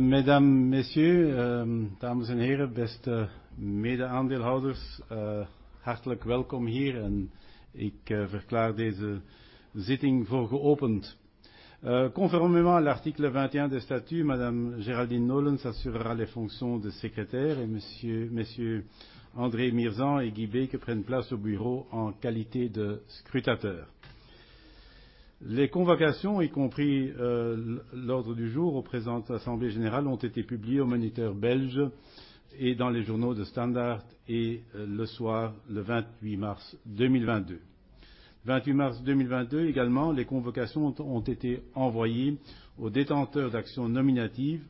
Mesdames, messieurs, dames en heren, beste mede-aandeelhouders. Hartelijk welkom hier en ik verklaar deze zitting voor geopend. Conformément à l'article 21 des statuts, madame Géraldine Nolens assurera les fonctions de secrétaire et monsieur André Mírízon et Guy Beyen prennent place au bureau en qualité de scrutateurs. Les convocations, y compris l'ordre du jour de la présente assemblée générale, ont été publiées au Moniteur belge et dans les journaux De Standaard et Le Soir le 28 mars 2022. Le 28 mars 2022 également, les convocations ont été envoyées aux détenteurs d'actions nominatives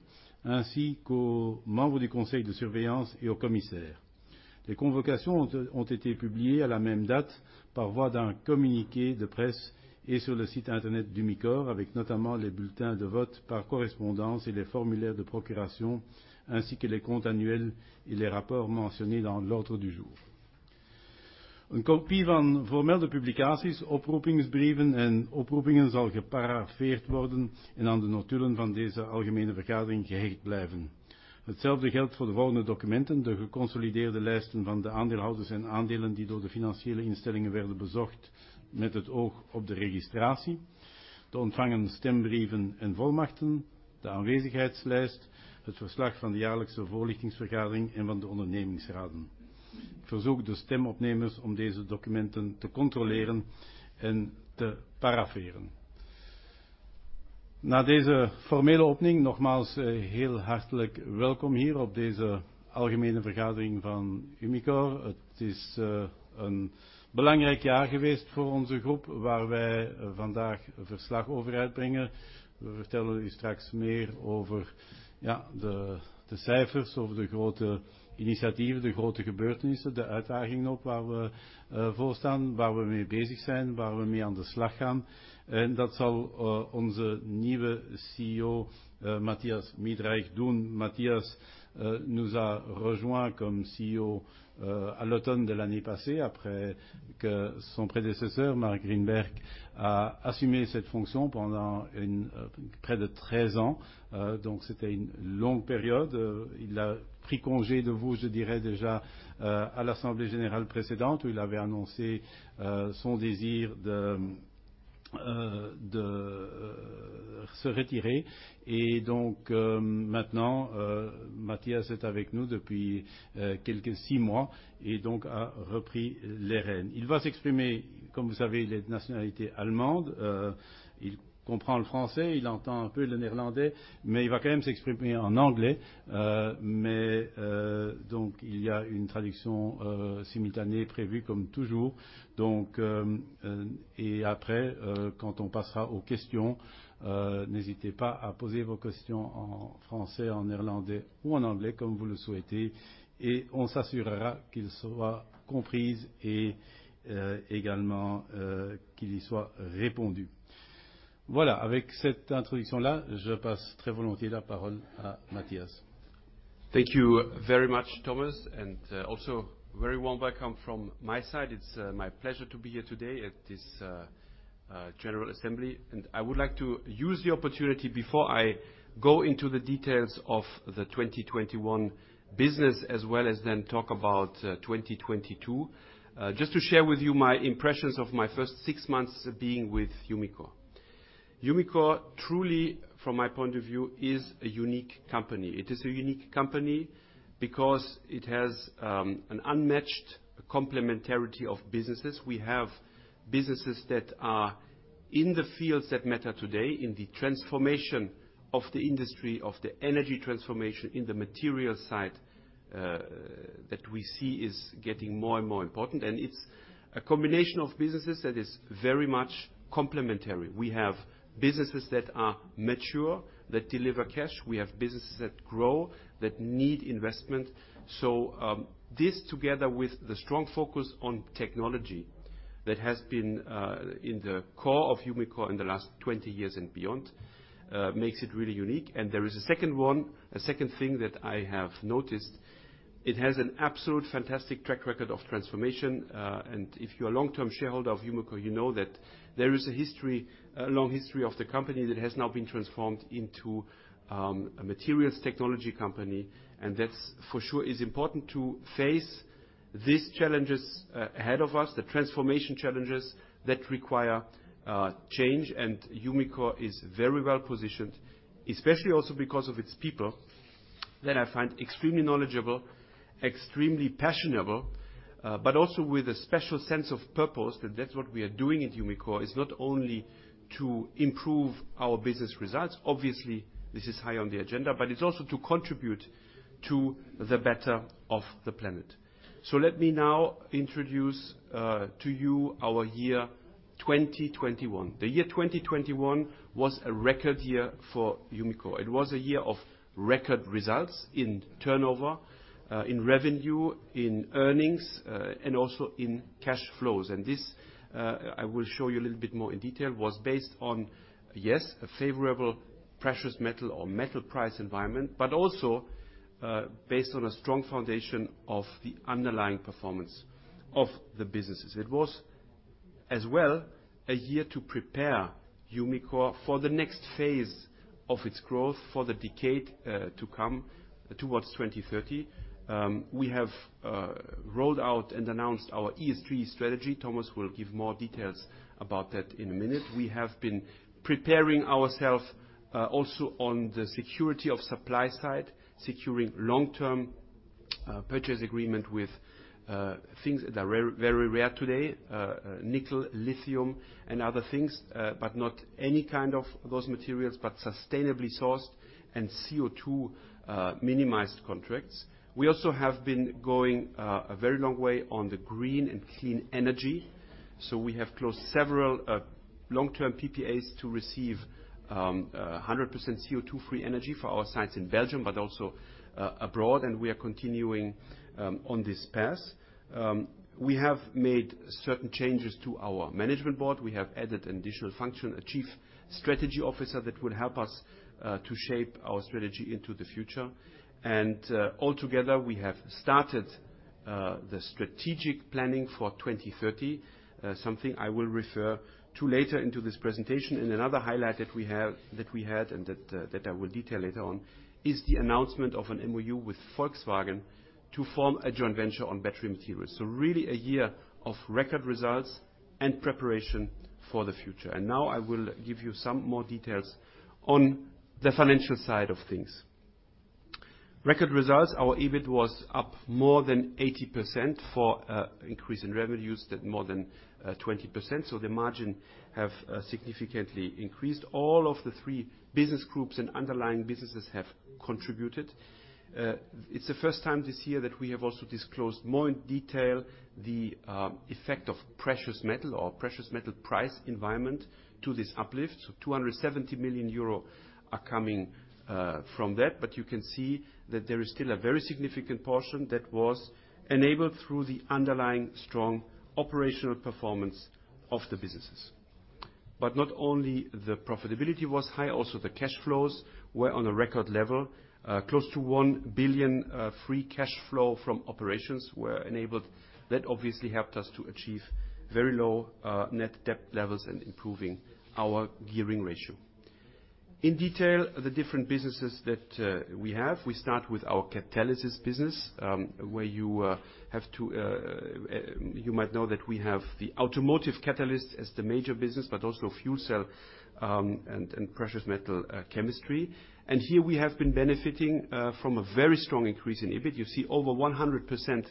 ainsi qu'aux membres du conseil de surveillance et aux commissaires.t Les convocations ont été publiées à la même date par voie d'un communiqué de presse et sur le site Internet d'Umicore, avec notamment les bulletins de vote par correspondance et les formulaires de procuration, ainsi que les comptes annuels et les rapports mentionnés dans l'ordre du jour. Een kopie van voormelde publicaties, oproepingsbrieven en oproepingen zal geparafeerd worden en aan de notulen van deze algemene vergadering gehecht blijven. Hetzelfde geldt voor de volgende documenten: de geconsolideerde lijsten van de aandeelhouders en aandelen die door de financiële instellingen werden bezocht met het oog op de registratie, de ontvangen stembrieven en volmachten, de aanwezigheidslijst, het verslag van de jaarlijkse voorlichtingsvergadering en van de ondernemingsraden. Ik verzoek de stemopnemers om deze documenten te controleren en te paraferen. Na deze formele opening nogmaals, heel hartelijk welkom hier op deze algemene vergadering van Umicore. Het is een belangrijk jaar geweest voor onze groep waar wij vandaag verslag over uitbrengen. We vertellen u straks meer over de cijfers, over de grote initiatieven, de grote gebeurtenissen, de uitdagingen op waar we voor staan, waar we mee bezig zijn, waar we mee aan de slag gaan. Dat zal onze nieuwe CEO Mathias Miedreich doen. Mathias nous a rejoint comme CEO à l'automne de l'année passée, après que son prédécesseur, Marc Grynberg, a assumé cette fonction pendant une près de 13 ans. Donc c'était une longue période. Il a pris congé de vous, je dirais déjà à l'assemblée générale précédente, où il avait annoncé son désir de se retirer. Donc maintenant Mathias est avec nous depuis quelque 6 mois et donc a repris les rênes. Il va s'exprimer, comme vous savez, il est de nationalité allemande, il comprend le français, il entend un peu le néerlandais, mais il va quand même s'exprimer en anglais. Mais, donc il y a une traduction, simultanée prévue comme toujours. Donc, et après, quand on passera aux questions, n'hésitez pas à poser vos questions en français, en néerlandais ou en anglais, comme vous le souhaitez, et on s'assurera qu'il soit comprise et, également, qu'il y soit répondu. Voilà, avec cette introduction-là, je passe très volontiers la parole à Mathias. Thank you very much, Thomas, and also very warm welcome from my side. It's my pleasure to be here today at this general assembly. I would like to use the opportunity before I go into the details of the 2021 business as well as then talk about 2022. Just to share with you my impressions of my first six months being with Umicore. Umicore truly, from my point of view, is a unique company. It is a unique company because it has an unmatched complementarity of businesses. We have businesses that are in the fields that matter today, in the transformation of the industry, of the energy transformation in the material side, that we see is getting more and more important. It's a combination of businesses that is very much complementary. We have businesses that are mature, that deliver cash. We have businesses that grow, that need investment. This together with the strong focus on technology that has been in the core of Umicore in the last 20 years and beyond makes it really unique. There is a second one, a second thing that I have noticed. It has an absolute fantastic track record of transformation. If you're a long-term shareholder of Umicore, you know that there is a history, a long history of the company that has now been transformed into a materials technology company, and that's for sure is important to face these challenges ahead of us, the transformation challenges that require change. Umicore is very well positioned, especially also because of its people that I find extremely knowledgeable, extremely passionate, but also with a special sense of purpose. That, that's what we are doing at Umicore, is not only to improve our business results. Obviously, this is high on the agenda, but it's also to contribute to the better of the planet. Let me now introduce to you our year 2021. The year 2021 was a record year for Umicore. It was a year of record results in turnover, in revenue, in earnings, and also in cash flows. This, I will show you a little bit more in detail, was based on, yes, a favorable precious metal or metal price environment, but also, based on a strong foundation of the underlying performance of the businesses. It was as well a year to prepare Umicore for the next phase of its growth for the decade to come towards 2030. We have rolled out and announced our 2030 RISE strategy. Thomas will give more details about that in a minute. We have been preparing ourselves also on the security of supply side, securing long-term purchase agreement with things that are very rare today, nickel, lithium, and other things, but not any kind of those materials, but sustainably sourced and CO2-minimized contracts. We also have been going a very long way on the green and clean energy. We have closed several long-term PPAs to receive 100% CO2-free energy for our sites in Belgium, but also abroad, and we are continuing on this path. We have made certain changes to our management Board. We have added an additional function, a Chief Strategy Officer that will help us to shape our strategy into the future. Altogether, we have started the strategic planning for 2030, something I will refer to later into this presentation. Another highlight that we had and that I will detail later on is the announcement of an MoU with Volkswagen to form a joint venture on battery materials. Really a year of record results and preparation for the future. Now I will give you some more details on the financial side of things. Record results. Our EBIT was up more than 80% for increase in revenues at more than 20%. The margin have significantly increased. All of the three business groups and underlying businesses have contributed. It's the first time this year that we have also disclosed more in detail the effect of precious metal price environment to this uplift. 270 million euro are coming from that, but you can see that there is still a very significant portion that was enabled through the underlying strong operational performance of the businesses. Not only the profitability was high, also the cash flows were on a record level, close to 1 billion, free cash flow from operations were enabled. That obviously helped us to achieve very low net debt levels and improving our gearing ratio. In detail, the different businesses that we have, we start with our Catalysis business, where you have to. You might know that we have the automotive catalyst as the major business, but also fuel cell and precious metal chemistry. Here we have been benefiting from a very strong increase in EBIT. You see over 100%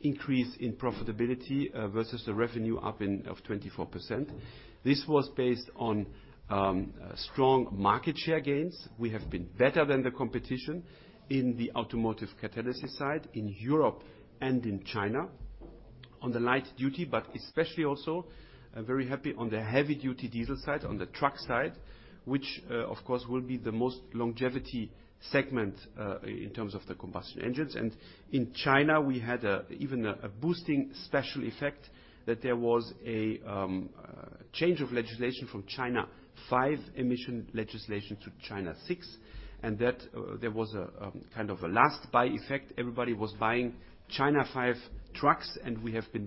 increase in profitability versus the revenue up only of 24%. This was based on strong market share gains. We have been better than the competition in the automotive catalysis side in Europe and in China on the light-duty, but especially also very happy on the heavy-duty diesel side, on the truck side, which of course will be the most longevity segment in terms of the combustion engines. In China, we had even a boosting special effect that there was a change of legislation from China 5 emission legislation to China 6, and that there was a kind of a last-buy effect. Everybody was buying China 5 trucks, and we have been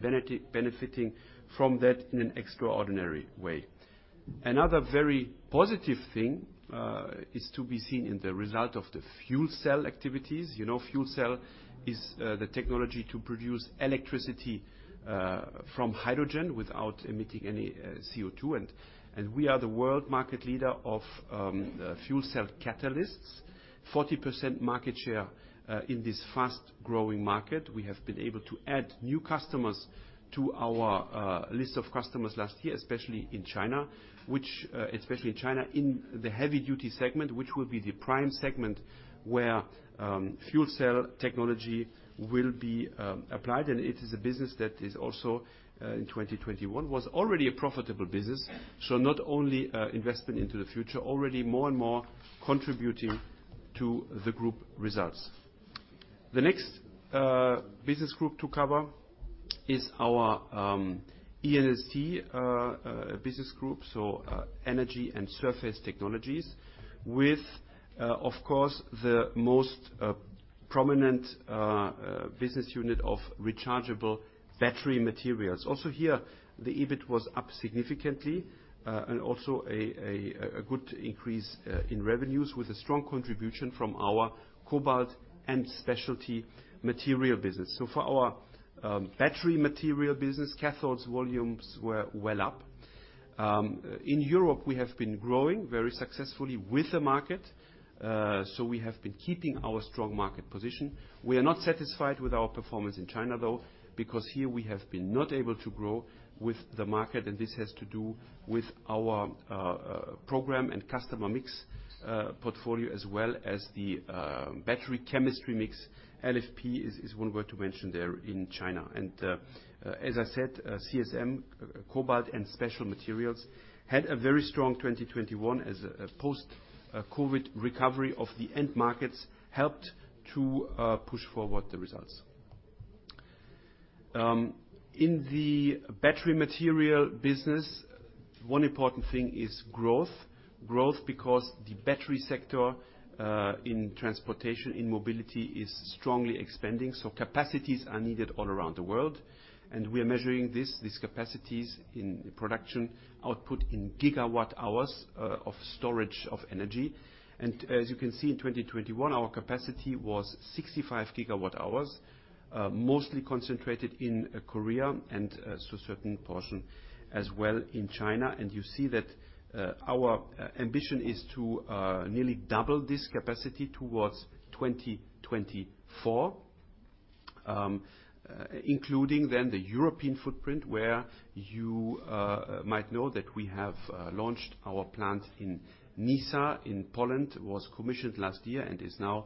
benefiting from that in an extraordinary way. Another very positive thing is to be seen in the result of the fuel cell activities. You know, fuel cell is the technology to produce electricity from hydrogen without emitting any CO2. We are the world market leader of fuel cell catalysts, 40% market share, in this fast-growing market. We have been able to add new customers to our list of customers last year, especially in China in the heavy duty segment, which will be the prime segment where fuel cell technology will be applied. It is a business that is also in 2021 was already a profitable business. Not only investment into the future, already more and more contributing to the group results. The next business group to cover is our E&ST business group, energy and surface technologies with, of course, the most prominent business unit of Rechargeable Battery Materials. Also here, the EBIT was up significantly, and also a good increase in revenues with a strong contribution from our Cobalt & Specialty Materials business. For our battery material business, cathodes volumes were well up. In Europe, we have been growing very successfully with the market, so we have been keeping our strong market position. We are not satisfied with our performance in China, though, because here we have been not able to grow with the market, and this has to do with our program and customer mix, portfolio, as well as the battery chemistry mix. LFP is one word to mention there in China. As I said, CSM, Cobalt & Specialty Materials, had a very strong 2021 as a post-COVID recovery of the end markets helped to push forward the results. In the battery material business, one important thing is growth. Growth because the battery sector in transportation, in mobility is strongly expanding. Capacities are needed all around the world, and we are measuring this, these capacities in production output in gigawatt-hours of storage of energy. As you can see, in 2021, our capacity was 65 GWh, mostly concentrated in Korea and so a certain portion as well in China. You see that our ambition is to nearly double this capacity towards 2024, including then the European footprint, where you might know that we have launched our plant in Nysa in Poland, was commissioned last year and is now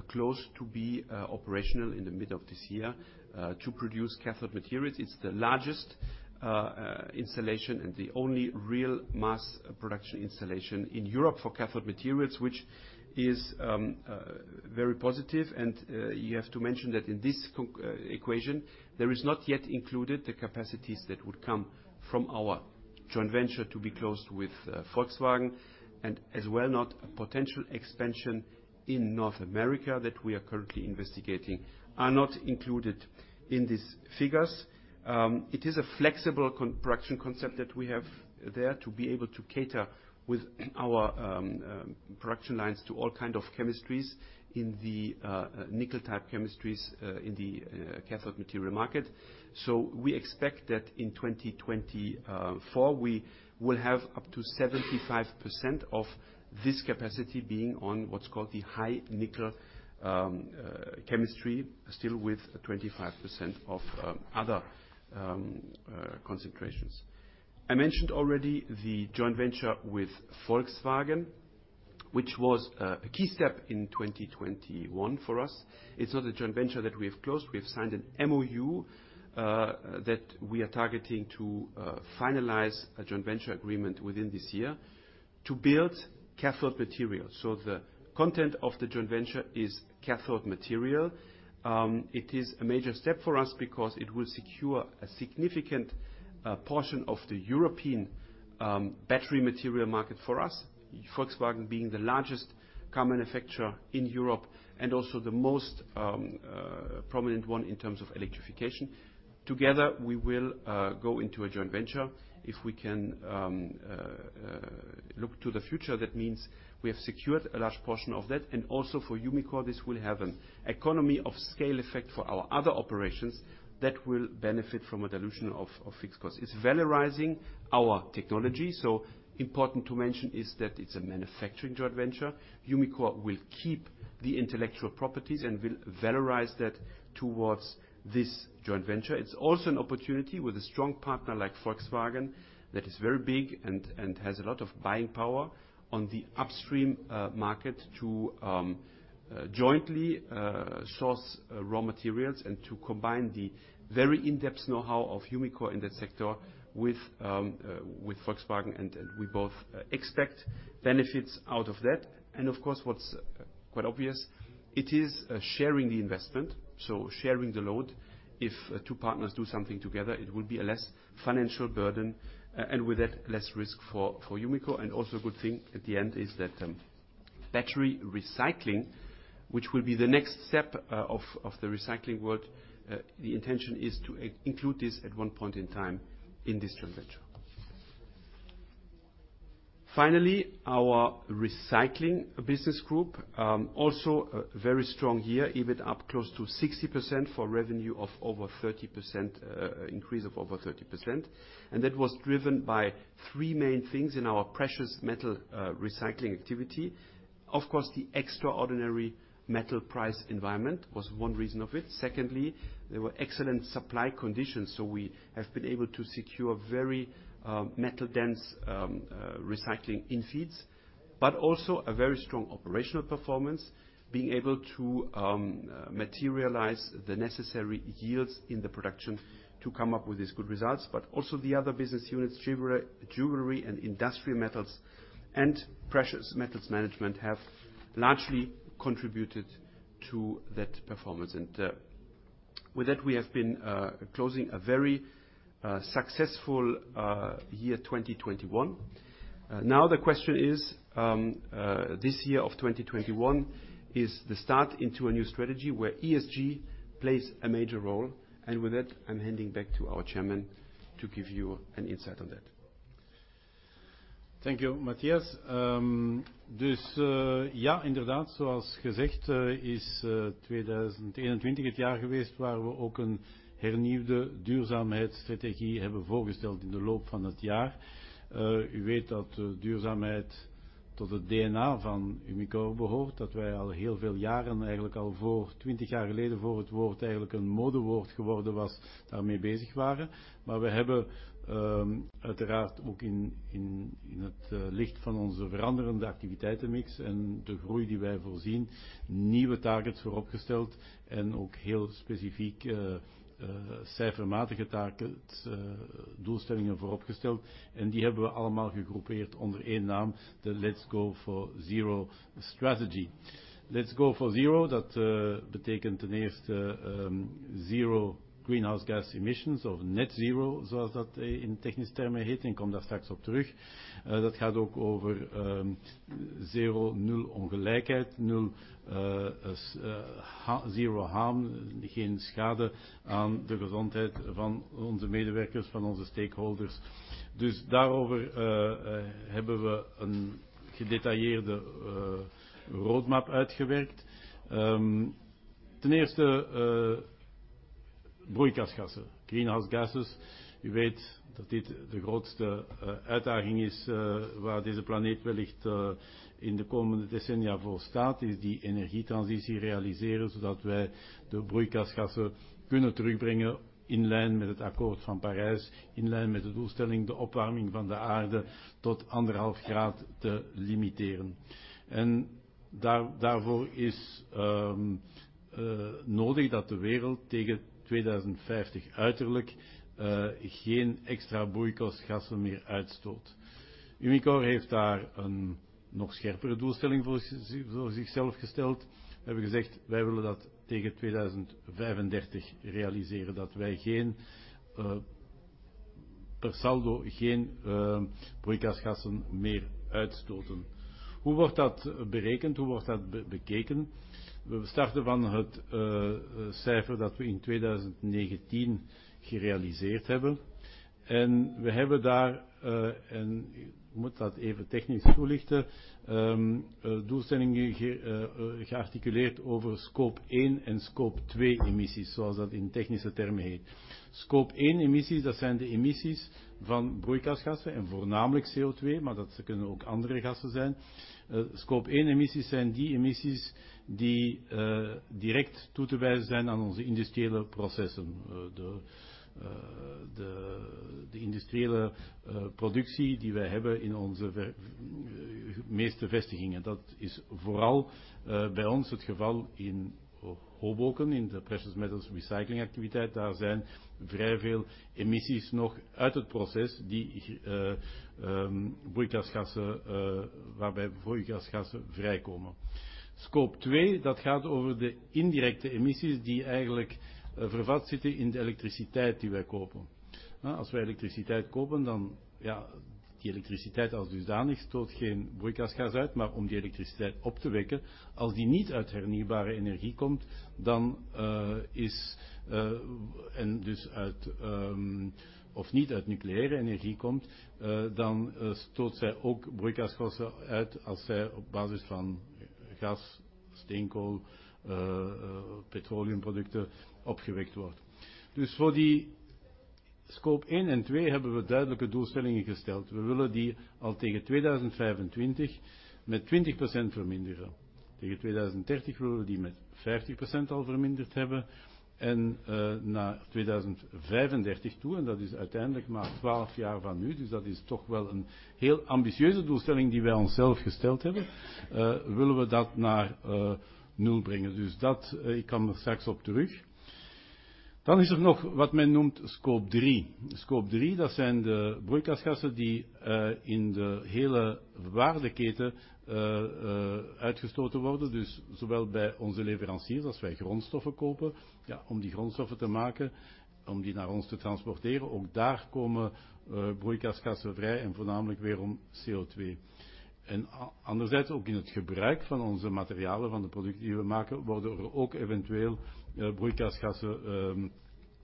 close to operational in the mid of this year to produce cathode materials. It's the largest installation and the only real mass production installation in Europe for cathode materials, which is very positive. You have to mention that in this equation, there is not yet included the capacities that would come from our joint venture to be closed with Volkswagen and as well not a potential expansion in North America that we are currently investigating are not included in these figures. It is a flexible production concept that we have there to be able to cater with our production lines to all kind of chemistries in the nickel type chemistries in the cathode material market. We expect that in 2024, we will have up to 75% of this capacity being on what's called the high nickel chemistry, still with 25% of other concentrations. I mentioned already the joint venture with Volkswagen, which was a key step in 2021 for us. It's not a joint venture that we have closed. We have signed an MoU that we are targeting to finalize a joint venture agreement within this year to build cathode materials. The content of the joint venture is cathode material. It is a major step for us because it will secure a significant portion of the European battery material market for us. Volkswagen being the largest car manufacturer in Europe and also the most prominent one in terms of electrification. Together, we will go into a joint venture. If we can look to the future, that means we have secured a large portion of that. Also for Umicore, this will have an economy of scale effect for our other operations that will benefit from a dilution of fixed costs. It's valorizing our technology. Important to mention is that it's a manufacturing joint venture. Umicore will keep the intellectual properties and will valorize that towards this joint venture. It's also an opportunity with a strong partner like Volkswagen that is very big and has a lot of buying power on the upstream market to jointly source raw materials and to combine the very in-depth knowhow of Umicore in that sector with Volkswagen. We both expect benefits out of that. Of course, what's quite obvious, it is sharing the investment, so sharing the load. If two partners do something together, it will be a less financial burden, and with that, less risk for Umicore. Also a good thing at the end is that, battery recycling, which will be the next step, of the recycling world. The intention is to include this at one point in time in this joint venture. Finally, our recycling business group also very strong year, even up close to 60% for revenue of over 30%, increase of over 30%. That was driven by three main things in our precious metal recycling activity. Of course, the extraordinary metal price environment was one reason of it. Secondly, there were excellent supply conditions, so we have been able to secure very metal dense recycling in feeds, but also a very strong operational performance, being able to materialize the necessary yields in the production to come up with these good results. Also the other business units, Jewelry and Industrial Metals and Precious Metals Management have largely contributed to that performance. With that, we have been closing a very successful year 2021. Now the question is, this year of 2021 is the start into a new strategy where ESG plays a major role. With that, I'm handing back to our chairman to give you an insight on that. Thank you, Mathias. Zero harm, geen schade aan de gezondheid van onze medewerkers, van onze stakeholders. Dus daarover hebben we een gedetailleerde roadmap uitgewerkt. Ten eerste, broeikasgassen, greenhouse gases. U weet dat dit de grootste uitdaging is, waar deze planeet wellicht in de komende decennia voor staat. Die energietransitie realiseren zodat wij de broeikasgassen kunnen terugbrengen in lijn met het Akkoord van Parijs, in lijn met de doelstelling de opwarming van de aarde tot 1.5 graden te limiteren. Daarvoor is nodig dat de wereld tegen 2050 uiterlijk geen extra broeikasgassen meer uitstoot. Umicore heeft daar een nog scherpere doelstelling voor zichzelf gesteld. We hebben gezegd: wij willen dat tegen 2035 realiseren, dat wij per saldo geen broeikasgassen meer uitstoten. Hoe wordt dat berekend? Hoe wordt dat bekeken? We starten van het cijfer dat we in 2019 gerealiseerd hebben. We hebben daar, en ik moet dat even technisch toelichten, doelstellingen gearticuleerd over Scope 1 en Scope 2 emissies, zoals dat in technische termen heet. Scope 1 emissies, dat zijn de emissies van broeikasgassen en voornamelijk CO₂. Maar dat kunnen ook andere gassen zijn. Scope 1 emissies zijn die emissies die direct toe te wijzen zijn aan onze industriële processen. De industriële productie die wij hebben in onze meeste vestigingen. Dat is vooral bij ons het geval in Hoboken, in de Precious Metals Refining activiteit. Daar zijn vrij veel emissies nog uit het proces die broeikasgassen, waarbij broeikasgassen vrijkomen. Scope 2, dat gaat over de indirecte emissies die eigenlijk vervat zitten in de elektriciteit die wij kopen. Als wij elektriciteit kopen, dan, ja, die elektriciteit als dusdanig stoot geen broeikasgas uit. Maar om die elektriciteit op te wekken als die niet uit hernieuwbare energie komt, of niet uit nucleaire energie komt, dan stoot zij ook broeikasgassen uit als zij op basis van gas, steenkool, petroleumproducten opgewekt wordt. Voor die Scope 1 en 2 hebben we duidelijke doelstellingen gesteld. We willen die al tegen 2025 met 20% verminderen. Tegen 2030 willen we die met 50% al verminderd hebben en, naar 2035 toe, en dat is uiteindelijk maar 12 jaar van nu, dus dat is toch wel een heel ambitieuze doelstelling die wij onszelf gesteld hebben, willen we dat naar, nul brengen. Dus dat, ik kom er straks op terug. Dan is er nog wat men noemt scope 3. Scope 3, dat zijn de broeikasgassen die, in de hele waardeketen, uitgestoten worden. Dus zowel bij onze leveranciers als wij grondstoffen kopen. Ja, om die grondstoffen te maken om die naar ons te transporteren. Ook daar komen, broeikasgassen vrij en voornamelijk weer om CO₂. En anderzijds ook in het gebruik van onze materialen van de producten die we maken, worden er ook eventueel, broeikasgassen,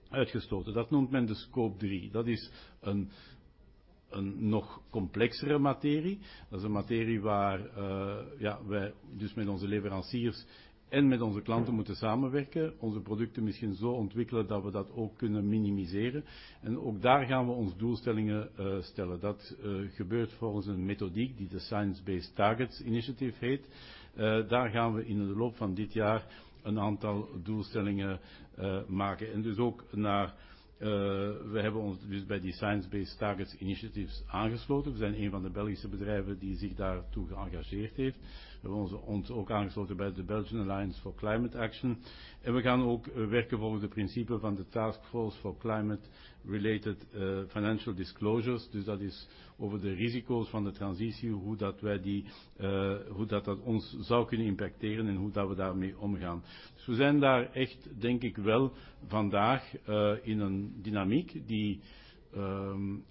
uitgestoten. Dat noemt men de scope 3. Dat is een nog complexere materie. Dat is een materie waar, ja, wij dus met onze leveranciers en met onze klanten moeten samenwerken, onze producten misschien zo ontwikkelen dat we dat ook kunnen minimiseren. Ook daar gaan we ons doelstellingen stellen. Dat gebeurt volgens een methodiek die de Science Based Targets initiative heet. Daar gaan we in de loop van dit jaar een aantal doelstellingen maken en dus ook we hebben ons dus bij die Science Based Targets initiative aangesloten. We zijn een van de Belgische bedrijven die zich daartoe geëngageerd heeft. We hebben ons ook aangesloten bij de Belgian Alliance for Climate Action en we gaan ook werken volgens de principes van de Task Force on Climate-related Financial Disclosures. Dat is over de risico's van de transitie, hoe dat wij die, hoe dat dat ons zou kunnen impacteren en hoe dat we daarmee omgaan. We zijn daar echt denk ik wel vandaag in een dynamiek die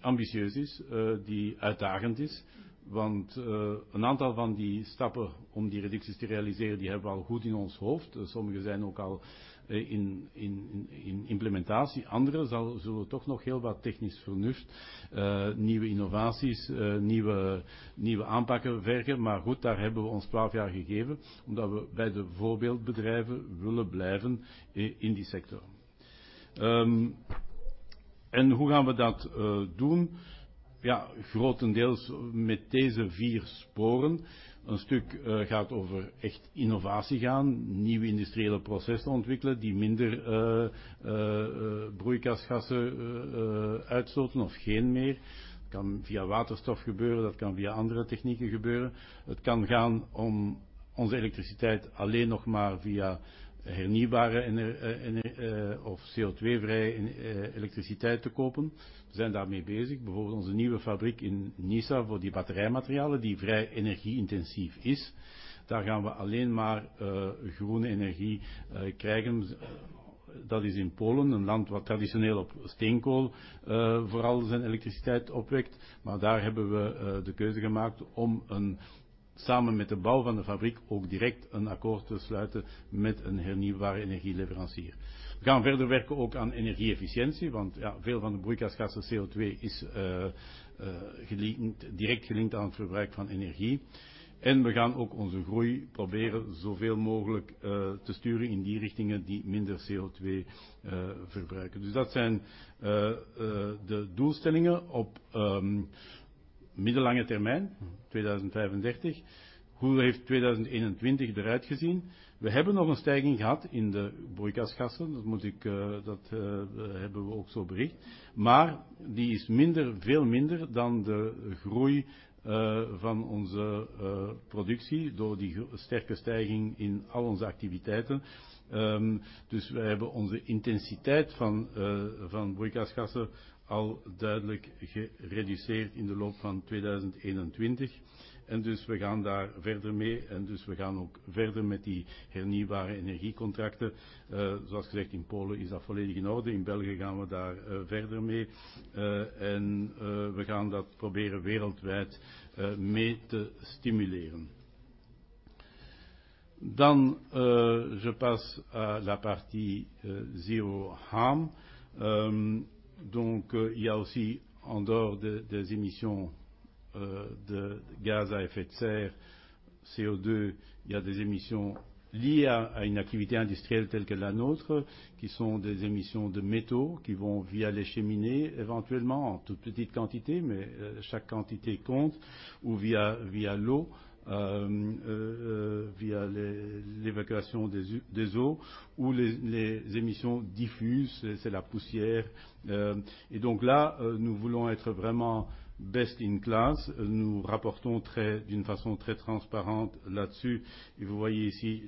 ambitieus is, die uitdagend is. Een aantal van die stappen om die reducties te realiseren, die hebben we al goed in ons hoofd. Sommige zijn ook al in implementatie, anderen zullen toch nog heel wat technisch vernuft nieuwe innovaties nieuwe aanpakken vergen. Daar hebben we ons 12 jaar gegeven omdat we bij de voorbeeldbedrijven willen blijven in die sector. Hoe gaan we dat doen? Ja, grotendeels met deze 4 sporen. Een stuk gaat over echt innovatie gaan, nieuwe industriële processen ontwikkelen die minder broeikasgassen uitstoten of geen meer. Dat kan via waterstof gebeuren. Dat kan via andere technieken gebeuren. Het kan gaan om onze elektriciteit alleen nog maar via hernieuwbare energie of CO₂-vrije elektriciteit te kopen. We zijn daar mee bezig. Bijvoorbeeld onze nieuwe fabriek in Nysa voor die batterijmaterialen die vrij energie-intensief is. Daar gaan we alleen maar groene energie krijgen. Dat is in Polen, een land wat traditioneel op steenkool vooral zijn elektriciteit opwekt. Maar daar hebben we de keuze gemaakt om, samen met de bouw van de fabriek, ook direct een akkoord te sluiten met een hernieuwbare energieleverancier. We gaan verder werken ook aan energie-efficiëntie, want ja, veel van de broeikasgassen, CO₂, is direct gelinkt aan het verbruik van energie. We gaan ook onze groei proberen zoveel mogelijk te sturen in die richtingen die minder CO₂ verbruiken. Dat zijn de doelstellingen op middellange termijn, 2035. Hoe heeft 2021 eruit gezien? We hebben nog een stijging gehad in de broeikasgassen. Dat moet ik, dat hebben we ook zo bericht. Maar die is minder, veel minder dan de groei van onze productie door die sterke stijging in al onze activiteiten. Wij hebben onze intensiteit van broeikasgassen al duidelijk gereduceerd in de loop van 2021. We gaan daar verder mee. We gaan ook verder met die hernieuwbare energiecontracten. Zoals gezegd, in Polen is dat volledig in orde. In België gaan we daar verder mee. We gaan dat proberen wereldwijd mee te stimuleren. Dan, je passe à la partie Zero Harm. Donc il y a aussi, en dehors des émissions de gaz à effet de serre, CO₂, des émissions liées à une activité industrielle telle que la nôtre, qui sont des émissions de métaux qui vont via les cheminées, éventuellement en toute petite quantité, mais chaque quantité compte, ou via l'eau, via l'évacuation des eaux ou les émissions diffuses, c'est la poussière. Nous voulons être vraiment best in class. Nous rapportons d'une façon très transparente là-dessus. Vous voyez ici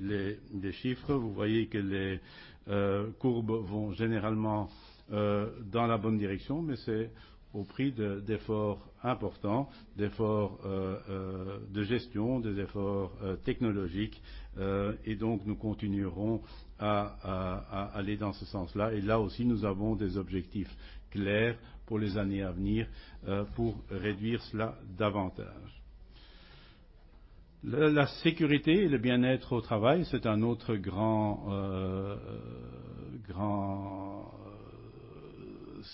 des chiffres. Vous voyez que les courbes vont généralement dans la bonne direction, mais c'est au prix d'efforts importants, d'efforts de gestion, des efforts technologiques. Nous continuerons à aller dans ce sens-là. Là aussi, nous avons des objectifs clairs pour les années à venir, pour réduire cela davantage. La sécurité et le bien-être au travail, c'est un autre grand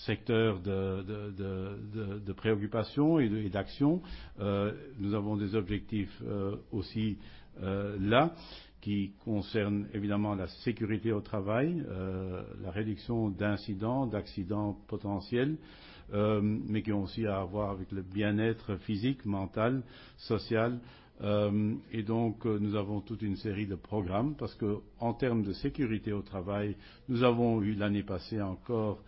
secteur de préoccupation et d'action. Nous avons des objectifs aussi là qui concernent évidemment la sécurité au travail, la réduction d'incidents, d'accidents potentiels, mais qui ont aussi à voir avec le bien-être physique, mental, social. Donc nous avons toute une série de programmes parce qu'en termes de sécurité au travail, nous avons eu l'année passée encore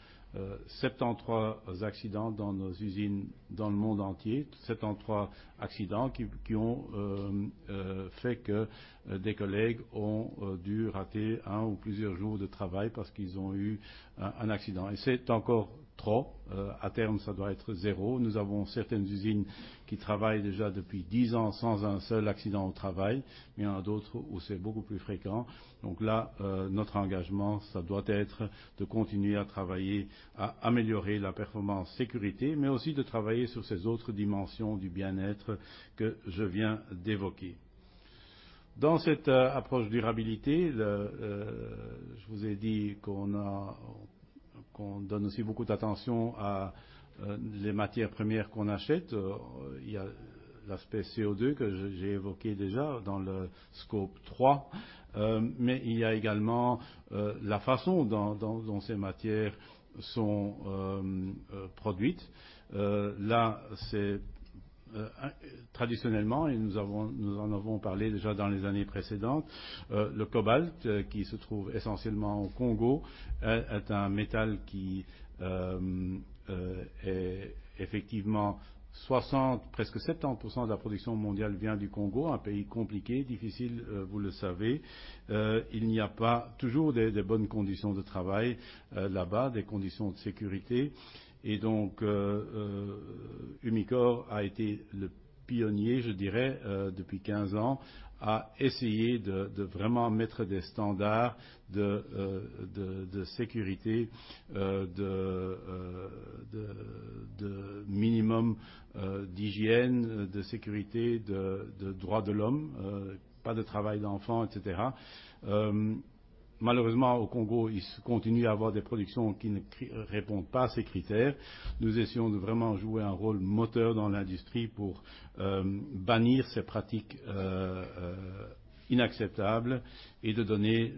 73 accidents dans nos usines dans le monde entier. 73 accidents qui ont fait que des collègues ont dû rater un ou plusieurs jours de travail parce qu'ils ont eu un accident. C'est encore trop. À terme, ça doit être zéro. Nous avons certaines usines qui travaillent déjà depuis 10 ans sans un seul accident au travail, mais il y en a d'autres où c'est beaucoup plus fréquent. Là, notre engagement, ça doit être de continuer à travailler, à améliorer la performance sécurité, mais aussi de travailler sur ces autres dimensions du bien-être que je viens d'évoquer. Dans cette approche durabilité, le, je vous ai dit qu'on donne aussi beaucoup d'attention à les matières premières qu'on achète. Il y a l'aspect CO₂ que j'ai évoqué déjà dans le scope 3, mais il y a également la façon dont ces matières sont produites. C'est traditionnellement, nous en avons parlé déjà dans les années précédentes, le cobalt, qui se trouve essentiellement au Congo, est un métal qui est effectivement 60, presque 70% de la production mondiale vient du Congo, un pays compliqué, difficile, vous le savez. Il n'y a pas toujours des bonnes conditions de travail là-bas, des conditions de sécurité. Umicore a été le pionnier, je dirais, depuis 15 ans, à essayer de vraiment mettre des standards de sécurité, de minimum, d'hygiène, de sécurité, de droits de l'homme, pas de travail d'enfant, etc. Malheureusement, au Congo, il continue à y avoir des productions qui ne répondent pas à ces critères. Nous essayons de vraiment jouer un rôle moteur dans l'industrie pour bannir ces pratiques inacceptables et de donner,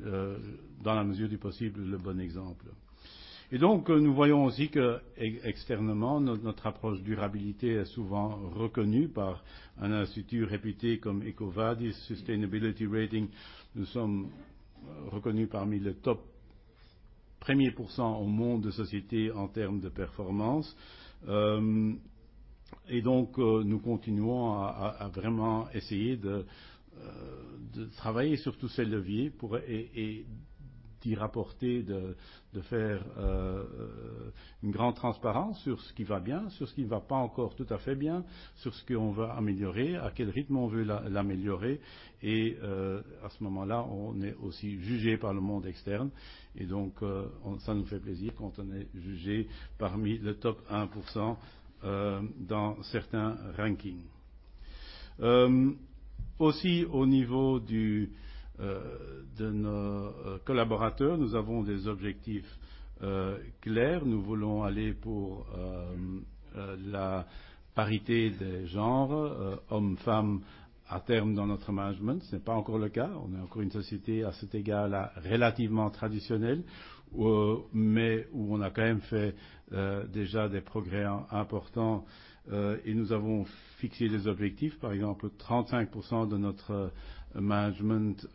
dans la mesure du possible, le bon exemple. Donc, nous voyons aussi qu'externement notre approche durabilité est souvent reconnue par un institut réputé comme EcoVadis Sustainability Rating. Nous sommes reconnus parmi le top 1% au monde de sociétés en termes de performance. Donc nous continuons à vraiment essayer de travailler sur tous ces leviers pour et d'y rapporter de faire une grande transparence sur ce qui va bien, sur ce qui ne va pas encore tout à fait bien, sur ce qu'on veut améliorer, à quel rythme on veut l'améliorer. À ce moment-là, on est aussi jugé par le monde externe. Ça nous fait plaisir quand on est jugé parmi le top 1%, dans certains rankings. Aussi au niveau de nos collaborateurs, nous avons des objectifs clairs. Nous voulons aller pour la parité des genres hommes-femmes à terme dans notre management. Ce n'est pas encore le cas. On est encore une société à cet égard-là relativement traditionnelle, mais où on a quand même fait déjà des progrès importants et nous avons fixé des objectifs. Par exemple, 35% de notre management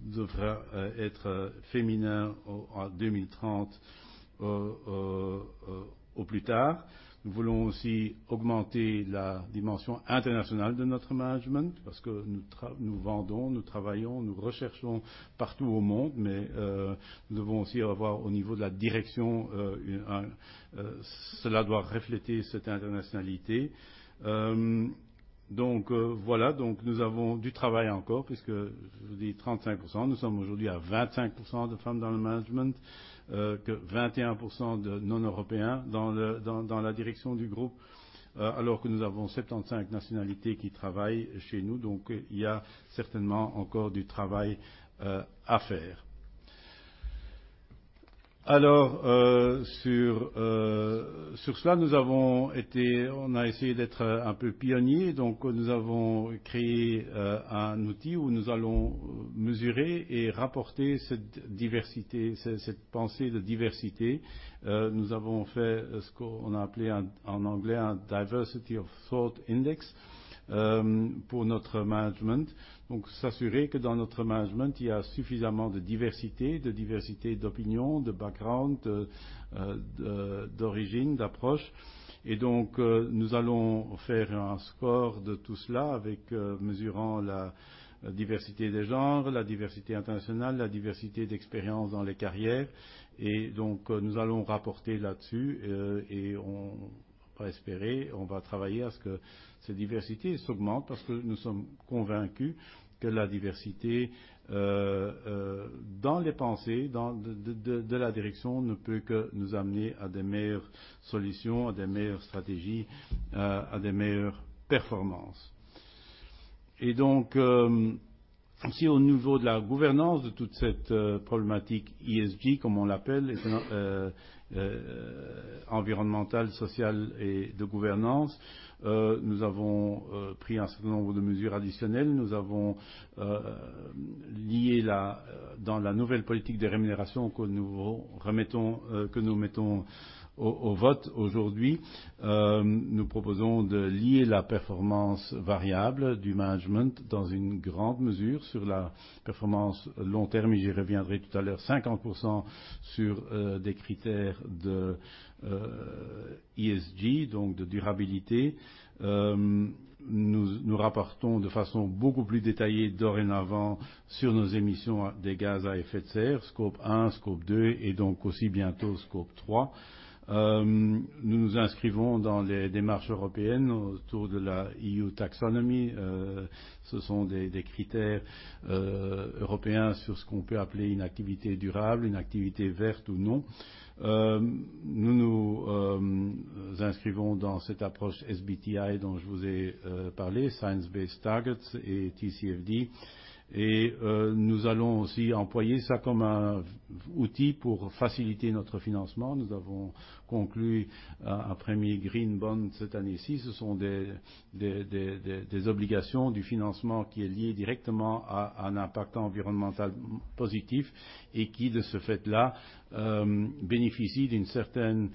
devra être féminin en 2030 au plus tard. Nous voulons aussi augmenter la dimension internationale de notre management parce que nous vendons, nous travaillons, nous recherchons partout au monde, mais nous devons aussi avoir au niveau de la direction, cela doit refléter cette internationalité. Voilà, nous avons du travail encore puisque je vous dis 35%. Nous sommes aujourd'hui à 25% de femmes dans le management, que 21% de non-Européens dans la direction du groupe, alors que nous avons 75 nationalités qui travaillent chez nous. Il y a certainement encore du travail à faire. Sur cela, nous avons été, on a essayé d'être un peu pionniers. Nous avons créé un outil où nous allons mesurer et rapporter cette diversité, cette pensée de diversité. Nous avons fait ce qu'on a appelé en anglais un Diversity of Thought Index pour notre management. S'assurer que dans notre management, il y a suffisamment de diversité, de diversité d'opinions, de background, d'origines, d'approches. Nous allons faire un score de tout cela avec mesurant la diversité des genres, la diversité internationale, la diversité d'expérience dans les carrières. Nous allons rapporter là-dessus et on va espérer, on va travailler à ce que cette diversité s'augmente parce que nous sommes convaincus que la diversité dans les pensées de la direction ne peut que nous amener à des meilleures solutions, à des meilleures stratégies, à des meilleures performances. Aussi au niveau de la gouvernance de toute cette problématique ESG, comme on l'appelle, environnementale, sociale et de gouvernance, nous avons pris un certain nombre de mesures additionnelles. Nous avons lié dans la nouvelle politique de rémunération que nous remettons, que nous mettons au vote aujourd'hui, nous proposons de lier la performance variable du management dans une grande mesure sur la performance long terme. J'y reviendrai tout à l'heure. 50% sur des critères d'ESG, donc de durabilité. Nous rapportons de façon beaucoup plus détaillée dorénavant sur nos émissions des gaz à effet de serre, Scope 1, Scope 2 et donc aussi bientôt Scope 3. Nous nous inscrivons dans les démarches européennes autour de la EU Taxonomy. Ce sont des critères européens sur ce qu'on peut appeler une activité durable, une activité verte ou non. Nous nous inscrivons dans cette approche SBTi dont je vous ai parlé, Science-Based Targets et TCFD. Nous allons aussi employer ça comme un outil pour faciliter notre financement. Nous avons conclu un premier green bond cette année-ci. Ce sont des obligations du financement qui est lié directement à un impact environnemental positif et qui, de ce fait-là, bénéficient d'un certain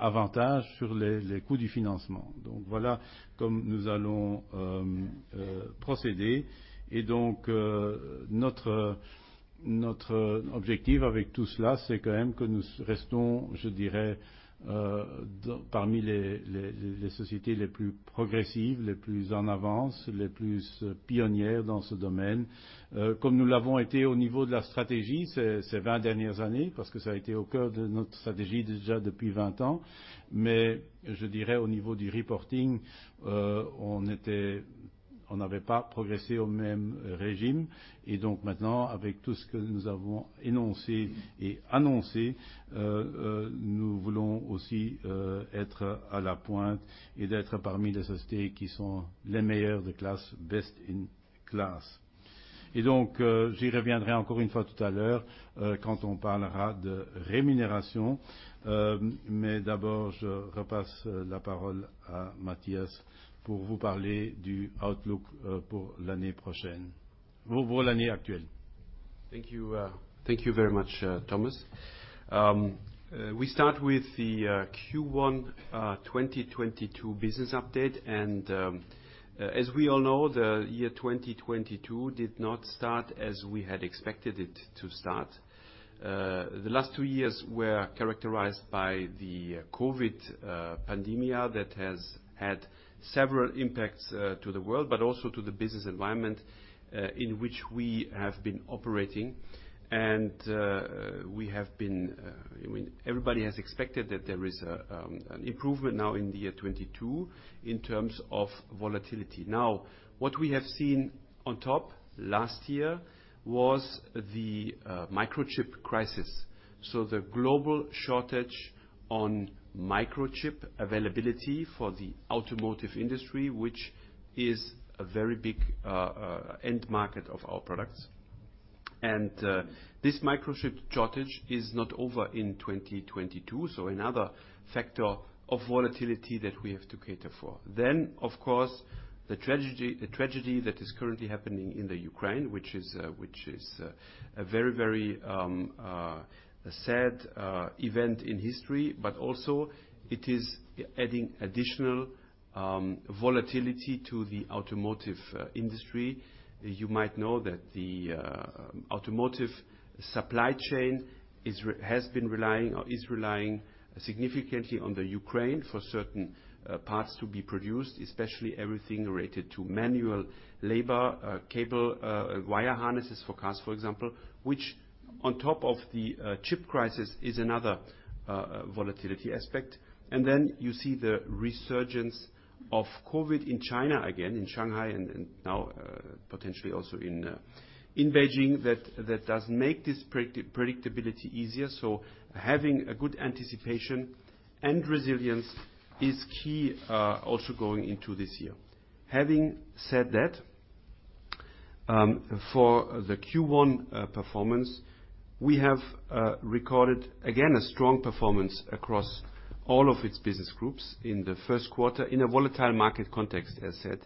avantage sur les coûts du financement. Voilà comme nous allons procéder. Notre objectif avec tout cela, c'est quand même que nous restons, je dirais, parmi les sociétés les plus progressives, les plus en avance, les plus pionnières dans ce domaine, comme nous l'avons été au niveau de la stratégie ces 20 dernières années, parce que ça a été au cœur de notre stratégie déjà depuis 20 ans. Je dirais au niveau du reporting, on n'avait pas progressé au même régime. Maintenant, avec tout ce que nous avons énoncé et annoncé, nous voulons aussi être à la pointe et d'être parmi les sociétés qui sont les meilleures de classe, best in class. J'y reviendrai encore une fois tout à l'heure quand on parlera de rémunération. D'abord, je repasse la parole à Mathias pour vous parler du outlook pour l'année prochaine. Pour l'année actuelle. Thank you. Thank you very much, Thomas. We start with the Q1 2022 business update. As we all know, the year 2022 did not start as we had expected it to start. The last two years were characterized by the COVID pandemic that has had several impacts to the world, but also to the business environment in which we have been operating. Everybody has expected that there is an improvement now in the year 2022 in terms of volatility. Now, what we have seen on top last year was the microchip crisis. The global shortage on microchip availability for the automotive industry, which is a very big end market of our products. This microchip shortage is not over in 2022, so another factor of volatility that we have to cater for. Of course, the tragedy that is currently happening in Ukraine, which is a very, very sad event in history, but also it is adding additional volatility to the automotive industry. You might know that the automotive supply chain has been relying or is relying significantly on Ukraine for certain parts to be produced, especially everything related to manual labor, cable, wire harnesses for cars, for example, which on top of the chip crisis, is another volatility aspect. You see the resurgence of COVID in China again, in Shanghai and now, potentially also in Beijing that doesn't make predictability any easier. Having a good anticipation and resilience is key, also going into this year. Having said that, for the Q1 performance, we have recorded again a strong performance across all of its business groups in the first quarter in a volatile market context, as said,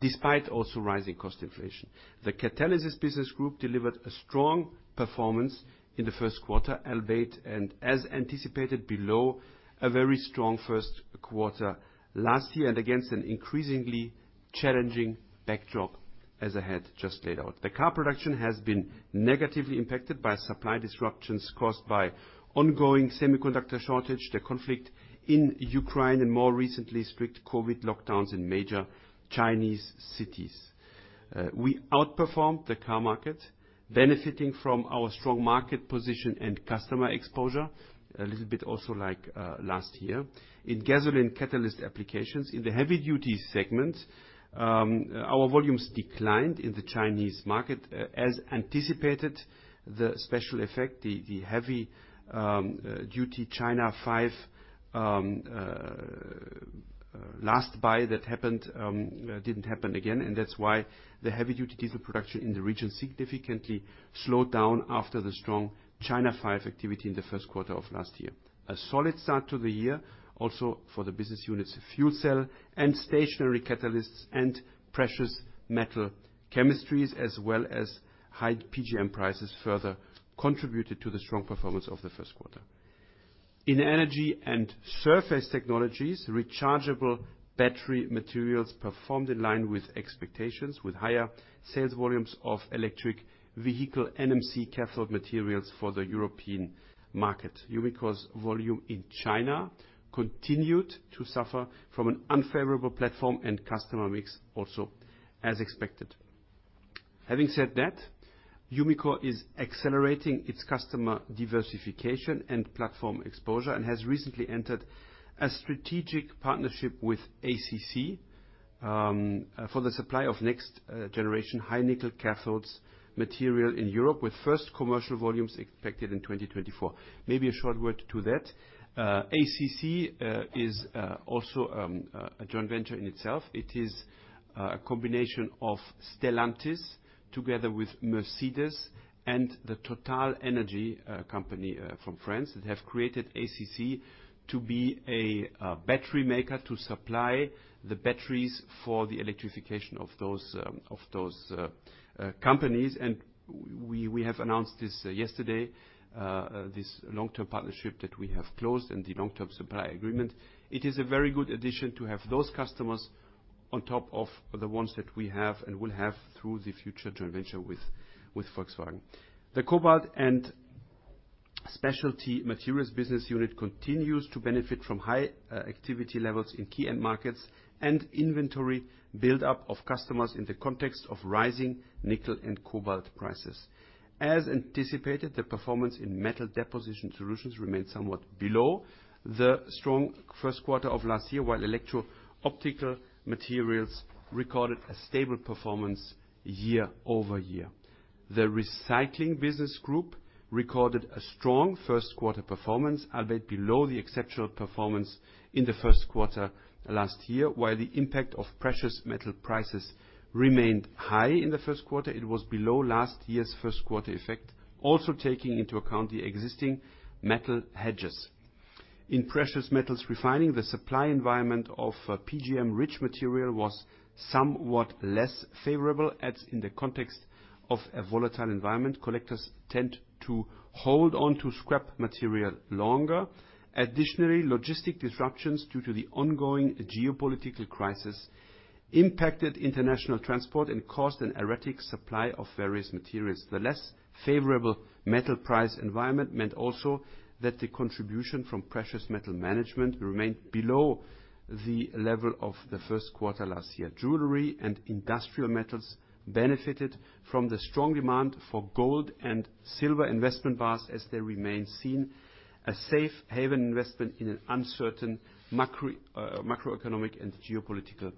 despite also rising cost inflation. The Catalysis business group delivered a strong performance in the first quarter, albeit, and as anticipated below a very strong first quarter last year and against an increasingly challenging backdrop, as I had just laid out. The car production has been negatively impacted by supply disruptions caused by ongoing semiconductor shortage, the conflict in Ukraine, and more recently, strict COVID lockdowns in major Chinese cities. We outperformed the car market, benefiting from our strong market position and customer exposure a little bit also like last year. In gasoline catalyst applications in the heavy-duty segment, our volumes declined in the Chinese market. As anticipated, the special effect, the heavy duty China 5 last buy that happened didn't happen again, and that's why the heavy-duty diesel production in the region significantly slowed down after the strong China 5 activity in the first quarter of last year. A solid start to the year also for the business units, Fuel Cells & Stationary Catalysts and Precious Metals Chemistry, as well as high PGM prices, further contributed to the strong performance of the first quarter. In Energy & Surface Technologies, Rechargeable Battery Materials performed in line with expectations with higher sales volumes of electric vehicle NMC cathode materials for the European market. Umicore's volume in China continued to suffer from an unfavorable platform and customer mix also, as expected. Having said that, Umicore is accelerating its customer diversification and platform exposure and has recently entered a strategic partnership with ACC for the supply of next generation high nickel cathodes material in Europe, with first commercial volumes expected in 2024. Maybe a short word to that. ACC is also a joint venture in itself. It is a combination of Stellantis together with Mercedes and the TotalEnergies company from France that have created ACC to be a battery maker to supply the batteries for the electrification of those companies. We have announced this yesterday this long-term partnership that we have closed and the long-term supply agreement. It is a very good addition to have those customers on top of the ones that we have and will have through the future joint venture with Volkswagen. The Cobalt & Specialty Materials business unit continues to benefit from high activity levels in key end markets and inventory build-up of customers in the context of rising nickel and cobalt prices. As anticipated, the performance in Metal Deposition Solutions remained somewhat below the strong first quarter of last year, while Electro-Optic Materials recorded a stable performance year over year. The Recycling business group recorded a strong first quarter performance, albeit below the exceptional performance in the first quarter last year. While the impact of precious metal prices remained high in the first quarter, it was below last year's first quarter effect, also taking into account the existing metal hedges. In Precious Metals Refining, the supply environment of PGM-rich material was somewhat less favorable, as in the context of a volatile environment, collectors tend to hold on to scrap material longer. Additionally, logistic disruptions due to the ongoing geopolitical crisis impacted international transport and caused an erratic supply of various materials. The less favorable metal price environment meant also that the contribution from Precious Metals Management remained below the level of the first quarter last year. Jewelry & Industrial Metals benefited from the strong demand for gold and silver investment bars as they remain seen a safe haven investment in an uncertain macro, macroeconomic and geopolitical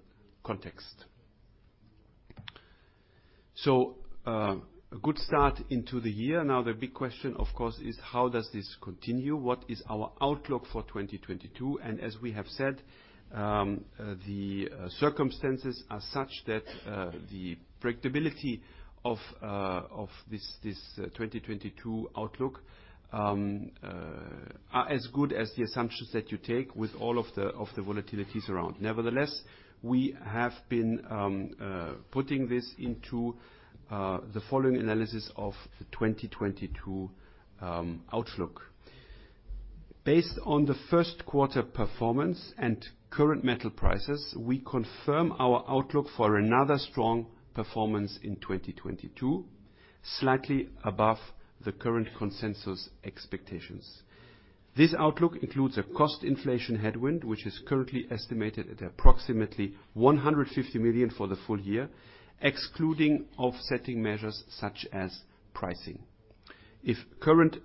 context. A good start into the year. Now, the big question, of course, is how does this continue? What is our outlook for 2022? As we have said, the circumstances are such that the predictability of this 2022 outlook are as good as the assumptions that you take with all of the volatilities around. Nevertheless, we have been putting this into the following analysis of the 2022 outlook. Based on the first quarter performance and current metal prices, we confirm our outlook for another strong performance in 2022, slightly above the current consensus expectations. This outlook includes a cost inflation headwind, which is currently estimated at approximately 150 million for the full year, excluding offsetting measures such as pricing. If current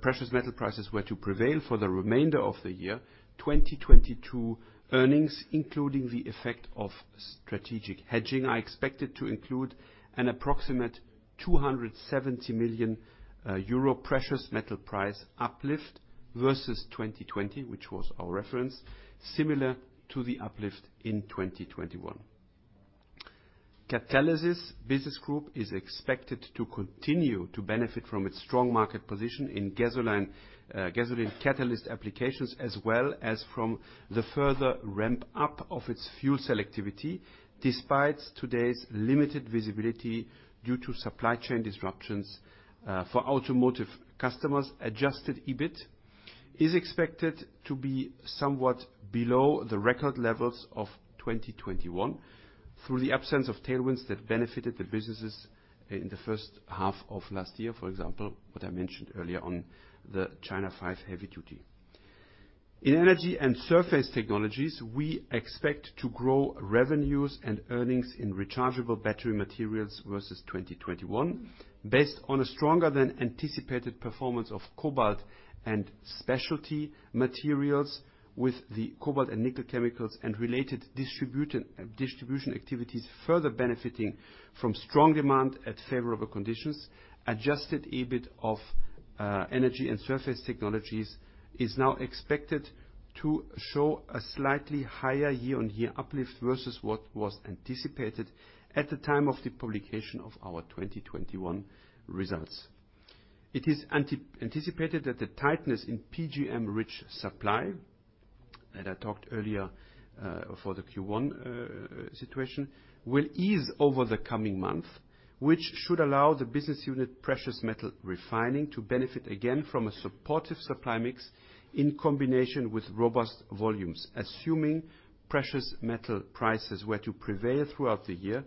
precious metal prices were to prevail for the remainder of the year, 2022 earnings, including the effect of strategic hedging, are expected to include an approximate 270 million euro precious metal price uplift versus 2020, which was our reference, similar to the uplift in 2021. Catalysis Business Group is expected to continue to benefit from its strong market position in gasoline catalyst applications, as well as from the further ramp-up of its fuel selectivity, despite today's limited visibility due to supply chain disruptions for automotive customers. Adjusted EBIT is expected to be somewhat below the record levels of 2021 through the absence of tailwinds that benefited the businesses in the first half of last year, for example, what I mentioned earlier on the China 5 Heavy Duty. In Energy and Surface Technologies, we expect to grow revenues and earnings in rechargeable battery materials versus 2021 based on a stronger than anticipated performance of Cobalt & Specialty Materials with the cobalt and nickel chemicals and related distribution activities further benefiting from strong demand at favorable conditions. Adjusted EBIT of Energy and Surface Technologies is now expected to show a slightly higher year-on-year uplift versus what was anticipated at the time of the publication of our 2021 results. It is anticipated that the tightness in PGM-rich supply, that I talked earlier, for the Q1 situation, will ease over the coming month, which should allow the business unit Precious Metals Refining to benefit again from a supportive supply mix in combination with robust volumes. Assuming precious metal prices were to prevail throughout the year,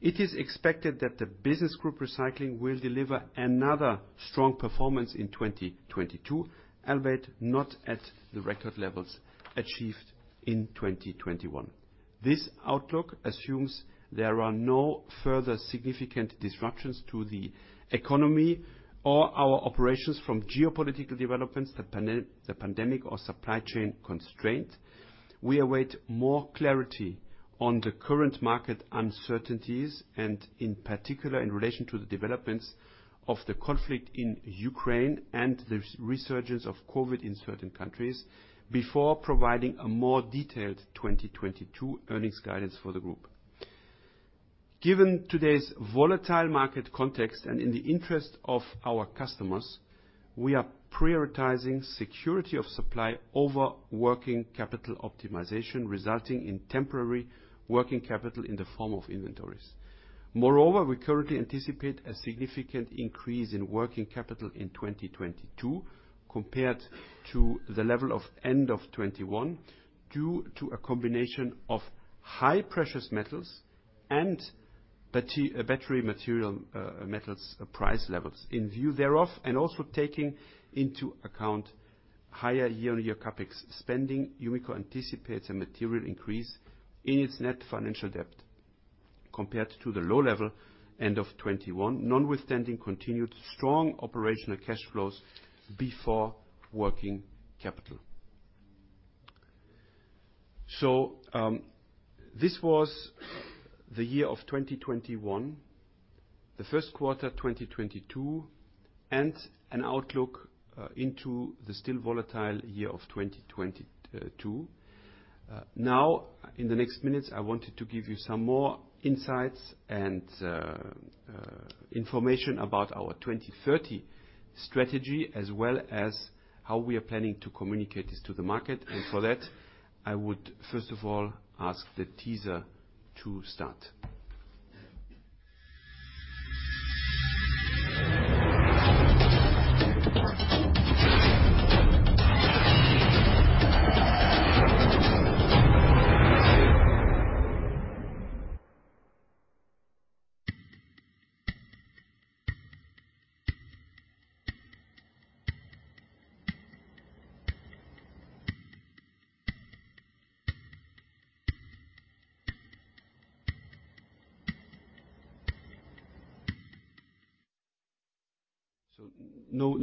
it is expected that the Business Group Recycling will deliver another strong performance in 2022, albeit not at the record levels achieved in 2021. This outlook assumes there are no further significant disruptions to the economy or our operations from geopolitical developments, the pandemic or supply chain constraint. We await more clarity on the current market uncertainties and in particular in relation to the developments of the conflict in Ukraine and the resurgence of COVID in certain countries before providing a more detailed 2022 earnings guidance for the group. Given today's volatile market context and in the interest of our customers, we are prioritizing security of supply over working capital optimization, resulting in temporary working capital in the form of inventories. Moreover, we currently anticipate a significant increase in working capital in 2022 compared to the level of end of 2021 due to a combination of high precious metals and battery material metals price levels. In view thereof, and also taking into account higher year-on-year CapEx spending, Umicore anticipates a material increase in its net financial debt compared to the low level end of 2021, notwithstanding continued strong operational cash flows before working capital. This was the year of 2021, the first quarter 2022, and an outlook into the still volatile year of 2022. Now, in the next minutes, I wanted to give you some more insights and information about our 2030 strategy as well as how we are planning to communicate this to the market. For that, I would first of all ask the teaser to start.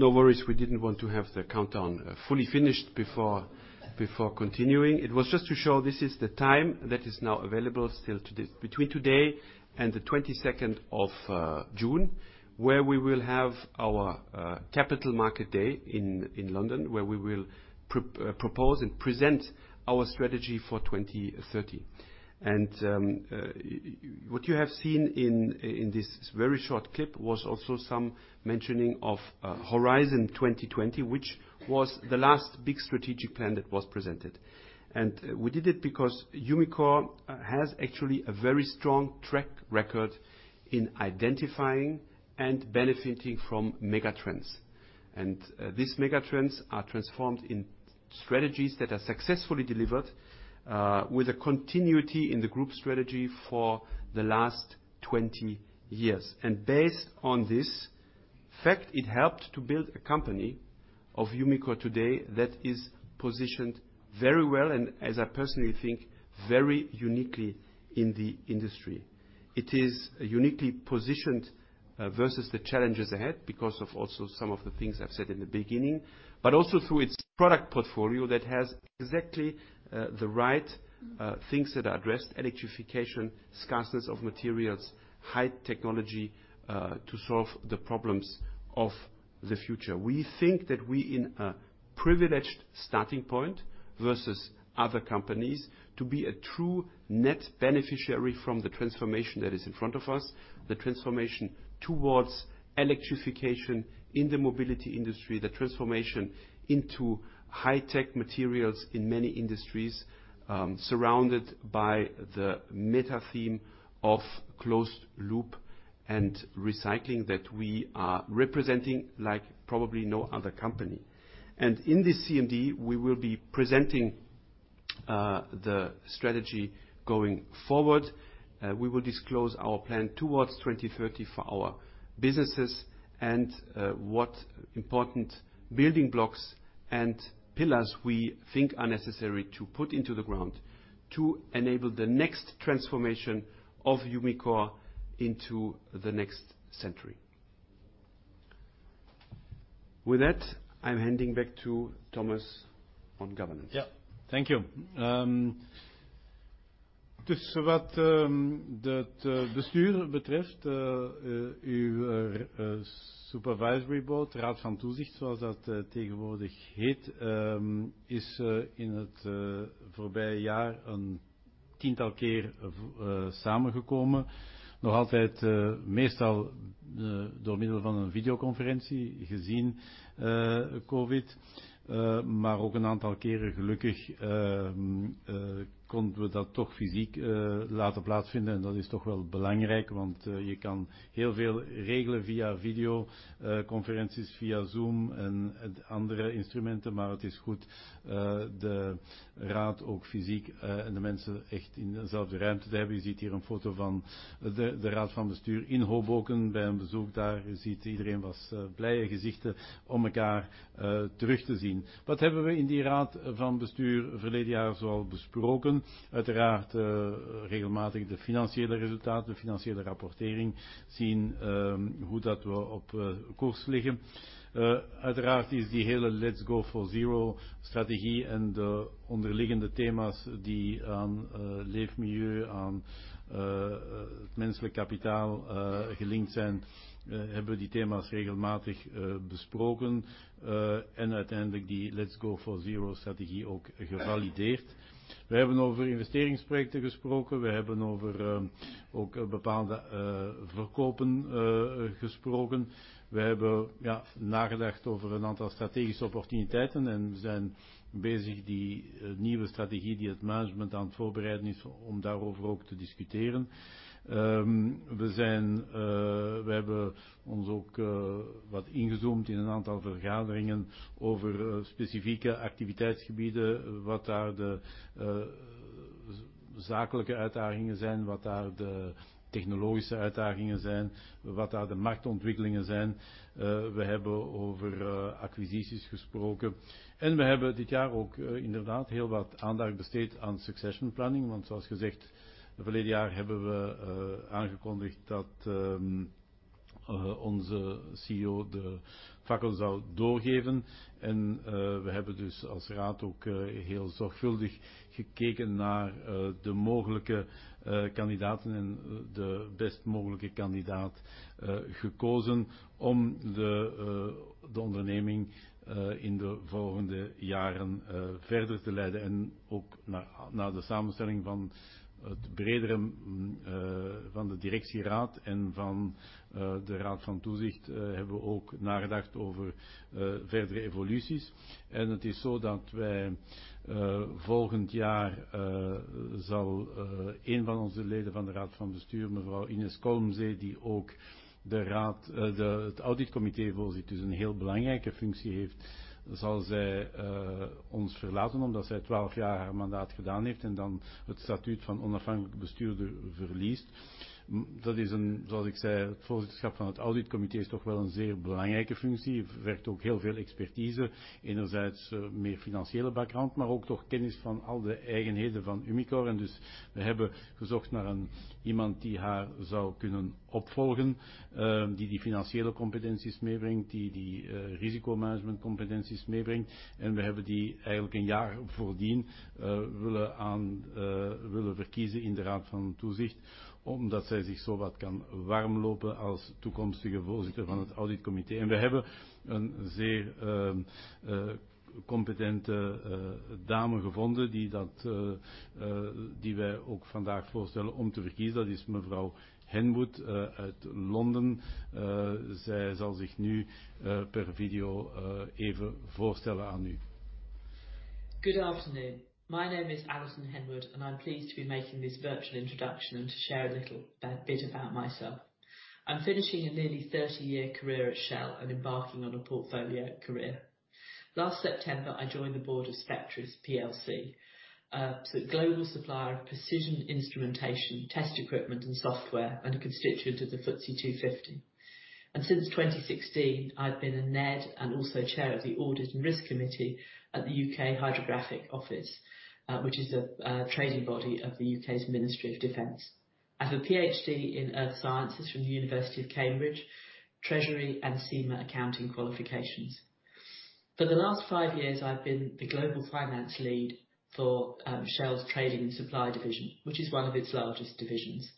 No, no worries. We didn't want to have the countdown fully finished before continuing. It was just to show this is the time that is now available still to this between today and the June 22, where we will have our Capital Market Day in London, where we will propose and present our strategy for 2030. What you have seen in this very short clip was also some mentioning of Horizon 2020, which was the last big strategic plan that was presented. We did it because Umicore has actually a very strong track record in identifying and benefiting from megatrends. These megatrends are transformed in strategies that are successfully delivered, with a continuity in the group strategy for the last 20 years. Based on this fact, it helped to build a company of Umicore today that is positioned very well and as I personally think, very uniquely in the industry. It is uniquely positioned versus the challenges ahead because of also some of the things I've said in the beginning, but also through its product portfolio that has exactly the right things that address electrification, scarceness of materials, high technology, to solve the problems of the future. We think that we in a privileged starting point versus other companies to be a true net beneficiary from the transformation that is in front of us. The transformation towards electrification in the mobility industry, the transformation into high tech materials in many industries, surrounded by the meta theme of closed loop and recycling that we are representing like probably no other company. In this CMD we will be presenting the strategy going forward. We will disclose our plan towards 2030 for our businesses and what important building blocks and pillars we think are necessary to put into the ground to enable the next transformation of Umicore into the next century. With that, I'm handing back to Thomas on governance. Ja. Thank you. Dus wat dat bestuur betreft, uw supervisory board, raad van toezicht zoals dat tegenwoordig heet, is in het voorbije jaar een tiental keer samengekomen. Nog altijd meestal door middel van een videoconferentie gezien COVID, maar ook een aantal keren gelukkig konden we dat toch fysiek laten plaatsvinden. Dat is toch wel belangrijk, want je kan heel veel regelen via videoconferenties, via Zoom en andere instrumenten. Het is goed de raad ook fysiek en de mensen echt in dezelfde ruimte te hebben. Je ziet hier een foto van de raad van bestuur in Hoboken bij een bezoek daar. Je ziet iedereen was blije gezichten om elkaar terug te zien. Wat hebben we in die raad van bestuur verleden jaar zoal besproken? Uiteraard regelmatig de financiële resultaten, financiële rapportering zien, hoe dat we op koers liggen. Uiteraard is die hele Let's go for zero strategie en de onderliggende thema's die aan leefmilieu, aan het menselijk kapitaal gelinkt zijn. Hebben we die thema's regelmatig besproken, en uiteindelijk die Let's go for zero strategie ook gevalideerd. We hebben over investeringsprojecten gesproken. We hebben over ook bepaalde verkopen gesproken. We hebben ja nagedacht over een aantal strategische opportuniteiten en we zijn bezig die nieuwe strategie die het management aan het voorbereiden is om daarover ook te discussiëren. We hebben ons ook wat ingezoomd in een aantal vergaderingen over specifieke activiteitsgebieden. Wat daar de zakelijke uitdagingen zijn, wat daar de technologische uitdagingen zijn, wat daar de marktontwikkelingen zijn. We hebben over acquisities gesproken en we hebben dit jaar ook inderdaad heel wat aandacht besteed aan succession planning. Want zoals gezegd verleden jaar hebben we aangekondigd dat onze CEO de fakkel zou doorgeven. We hebben dus als raad ook heel zorgvuldig gekeken naar de mogelijke kandidaten en de best mogelijke kandidaat gekozen om de onderneming in de volgende jaren verder te leiden. Ook na de samenstelling van het bredere van de directieraad en van de raad van toezicht hebben we ook nagedacht over verdere evoluties. Het is zo dat wij volgend jaar zal een van onze leden van de raad van bestuur, mevrouw Ines Kolmsee, die ook het auditcomité voorzit, dus een heel belangrijke functie heeft, zal zij ons verlaten omdat zij 12 jaar haar mandaat gedaan heeft en dan het statuut van onafhankelijk bestuurder verliest. Dat is, zoals ik zei, het voorzitterschap van het auditcomité is toch wel een zeer belangrijke functie. Vergt ook heel veel expertise. Enerzijds meer financiële background, maar ook toch kennis van al de eigenheden van Umicore. Dus we hebben gezocht naar een iemand die haar zou kunnen opvolgen, die financiële competenties meebrengt, die risicomanagement competenties meebrengt. We hebben die eigenlijk een jaar voordien willen verkiezen in de raad van toezicht, omdat zij zich zowat kan warmlopen als toekomstige voorzitter van het auditcomité. We hebben een zeer competente dame gevonden die dat die wij ook vandaag voorstellen om te verkiezen. Dat is mevrouw Henwood uit Londen. Zij zal zich nu per video even voorstellen aan u. Good afternoon. My name is Alison Henwood and I'm pleased to be making this virtual introduction and to share a little bit about myself. I'm finishing a nearly 30-year career at Shell and embarking on a portfolio career. Last September I joined the board of Spectris plc, a global supplier of precision instrumentation, test equipment and software, and a constituent of the FTSE 250. Since 2016, I've been a NED and also chair of the Audit and Risk Committee at the U.K. Hydrographic Office, which is a trading body of the U.K.'s Ministry of Defence. I have a PhD in Earth Sciences from the University of Cambridge, Treasury and CIMA accounting qualifications. For the last five years I've been the global finance lead for Shell's trading and supply division, which is one of its largest divisions.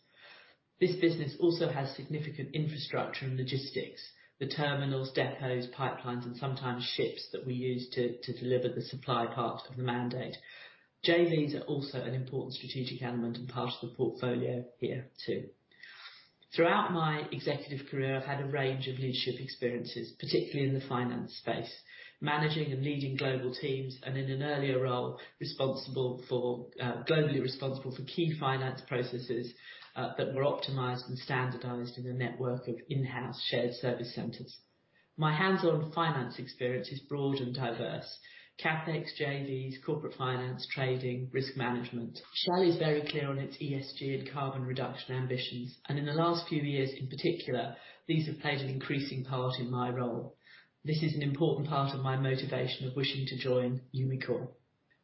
This business also has significant infrastructure and logistics, the terminals, depots, pipelines and sometimes ships that we use to deliver the supply part of the mandate. JVs are also an important strategic element and part of the portfolio here too. Throughout my executive career, I've had a range of leadership experiences, particularly in the finance space, managing and leading global teams, and in an earlier role globally responsible for key finance processes that were optimized and standardized in a network of in-house shared service centers. My hands-on finance experience is broad and diverse. CapEx, JVs, corporate finance, trading, risk management. Shell is very clear on its ESG and carbon reduction ambitions, and in the last few years in particular, these have played an increasing part in my role. This is an important part of my motivation of wishing to join Umicore.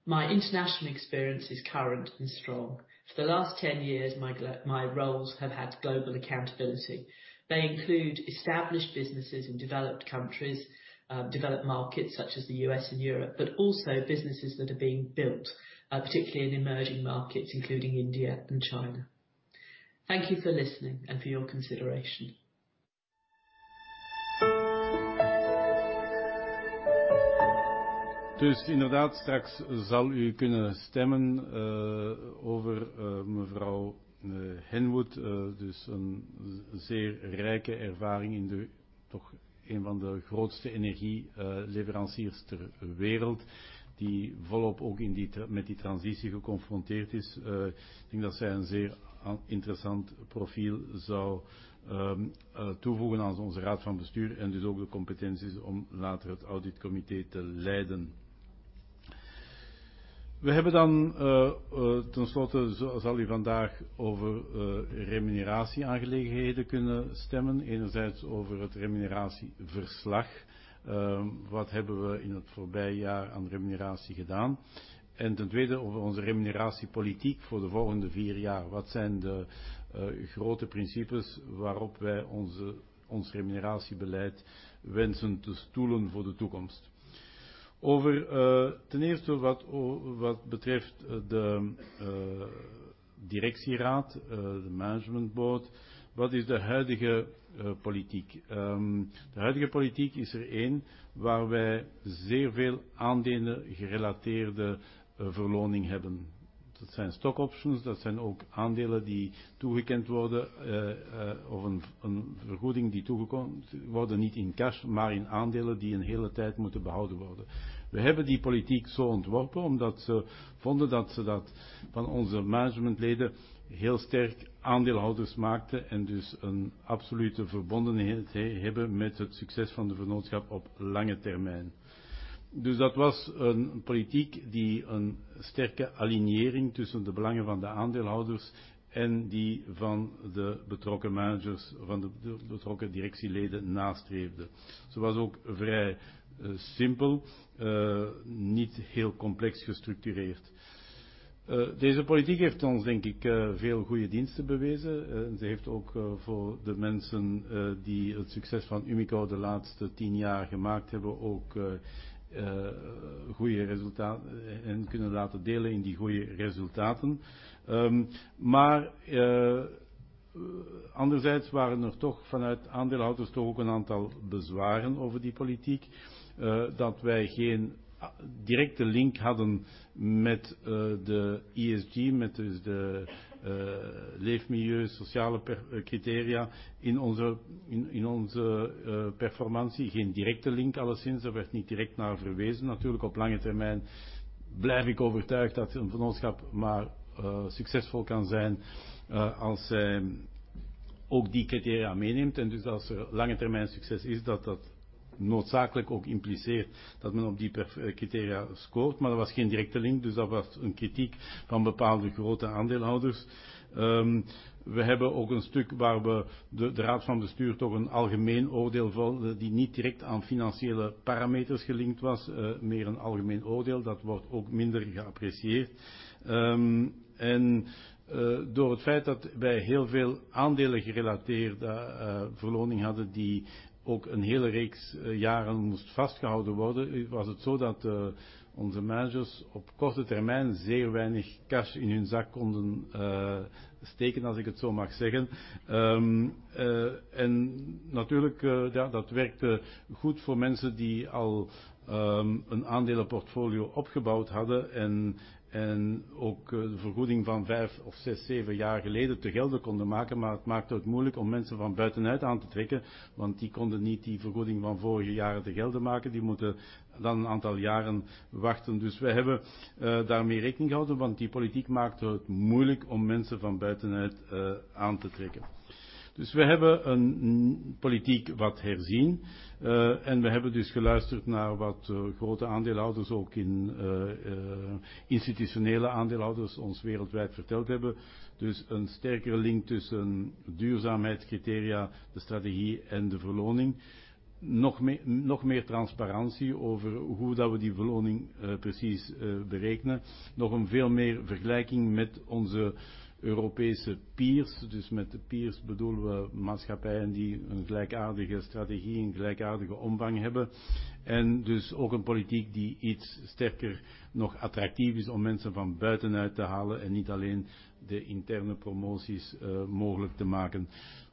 My international experience is current and strong. For the last 10 years, my roles have had global accountability. They include established businesses in developed countries, developed markets such as the U.S. and Europe, but also businesses that are being built, particularly in emerging markets, including India and China. Thank you for listening and for your consideration. Inderdaad straks zal u kunnen stemmen over Alison Henwood. Een zeer rijke ervaring in de toch een van de grootste energie leveranciers ter wereld die volop ook in die transitie geconfronteerd is. Ik denk dat zij een zeer interessant profiel zou toevoegen aan onze raad van bestuur en dus ook de competenties om later het auditcomité te leiden. We hebben dan ten slotte zal u vandaag over remuneratie aangelegenheden kunnen stemmen. Enerzijds over het remuneratieverslag. Wat hebben we in het voorbije jaar aan remuneratie gedaan? En ten tweede over onze remuneratiepolitiek voor de volgende vier jaar. Wat zijn de grote principes waarop wij onze remuneratiebeleid wensen te stoelen voor de toekomst? Over ten eerste wat betreft de directieraad, de management Board. Wat is de huidige politiek? De huidige politiek is er een waar wij zeer veel aandelen gerelateerde verloning hebben. Dat zijn stock options. Dat zijn ook aandelen die toegekend worden, of een vergoeding die toegekend worden. Niet in cash, maar in aandelen die een hele tijd moeten behouden worden. We hebben die politiek zo ontworpen omdat ze vonden dat ze dat van onze managementleden heel sterk aandeelhouders maakten en dus een absolute verbondenheid hebben met het succes van de vennootschap op lange termijn. Dat was een politiek die een sterke alignering tussen de belangen van de aandeelhouders en die van de betrokken managers van de betrokken directieleden nastreefde. Ze was ook vrij simpel, niet heel complex gestructureerd. Deze politiek heeft ons denk ik veel goede diensten bewezen. Ze heeft ook voor de mensen die het succes van Umicore de laatste 10 jaar gemaakt hebben ook goede resultaten hen kunnen laten delen in die goede resultaten. Maar anderzijds waren er toch vanuit aandeelhouders toch ook een aantal bezwaren over die politiek. Dat wij geen directe link hadden met de ESG, met dus de leefmilieu sociale per-criteria in onze performantie. Geen directe link alleszins. Natuurlijk, op lange termijn blijf ik overtuigd dat een vennootschap maar succesvol kan zijn als zij ook die criteria meeneemt en dus als er langetermijnsucces is, dat noodzakelijk ook impliceert dat men op die per-criteria scoort. Maar er was geen directe link, dus dat was een kritiek van bepaalde grote aandeelhouders. We hebben ook een stuk waar we de raad van bestuur toch een algemeen oordeel velde die niet direct aan financiële parameters gelinkt was. Meer een algemeen oordeel. Dat wordt ook minder geapprecieerd. Door het feit dat wij heel veel aandelen-gerelateerde verloning hadden die ook een hele reeks jaren moest vastgehouden worden, was het zo dat onze managers op korte termijn zeer weinig cash in hun zak konden steken, als ik het zo mag zeggen. Natuurlijk werkte dat goed voor mensen die al een aandelenportfolio opgebouwd hadden en ook vergoeding van 5 of 6, 7 jaar geleden te gelde konden maken. Het maakt het moeilijk om mensen van buitenuit aan te trekken, want die konden niet die vergoeding van vorige jaren te gelde maken. Die moeten dan een aantal jaren wachten. We hebben daarmee rekening gehouden, want die politiek maakte het moeilijk om mensen van buitenuit aan te trekken. We hebben een politiek herzien. En we hebben geluisterd naar wat grote aandeelhouders, ook institutionele aandeelhouders ons wereldwijd verteld hebben. Een sterkere link tussen duurzaamheidscriteria, de strategie en de verloning. Nog meer transparantie over hoe dat we die verloning precies berekenen. Nog veel meer vergelijking met onze Europese peers. Met peers bedoelen we maatschappijen die een gelijkaardige strategie in gelijkaardige omvang hebben en dus ook een politiek die iets sterker nog attractief is om mensen van buitenuit te halen en niet alleen de interne promoties mogelijk te maken.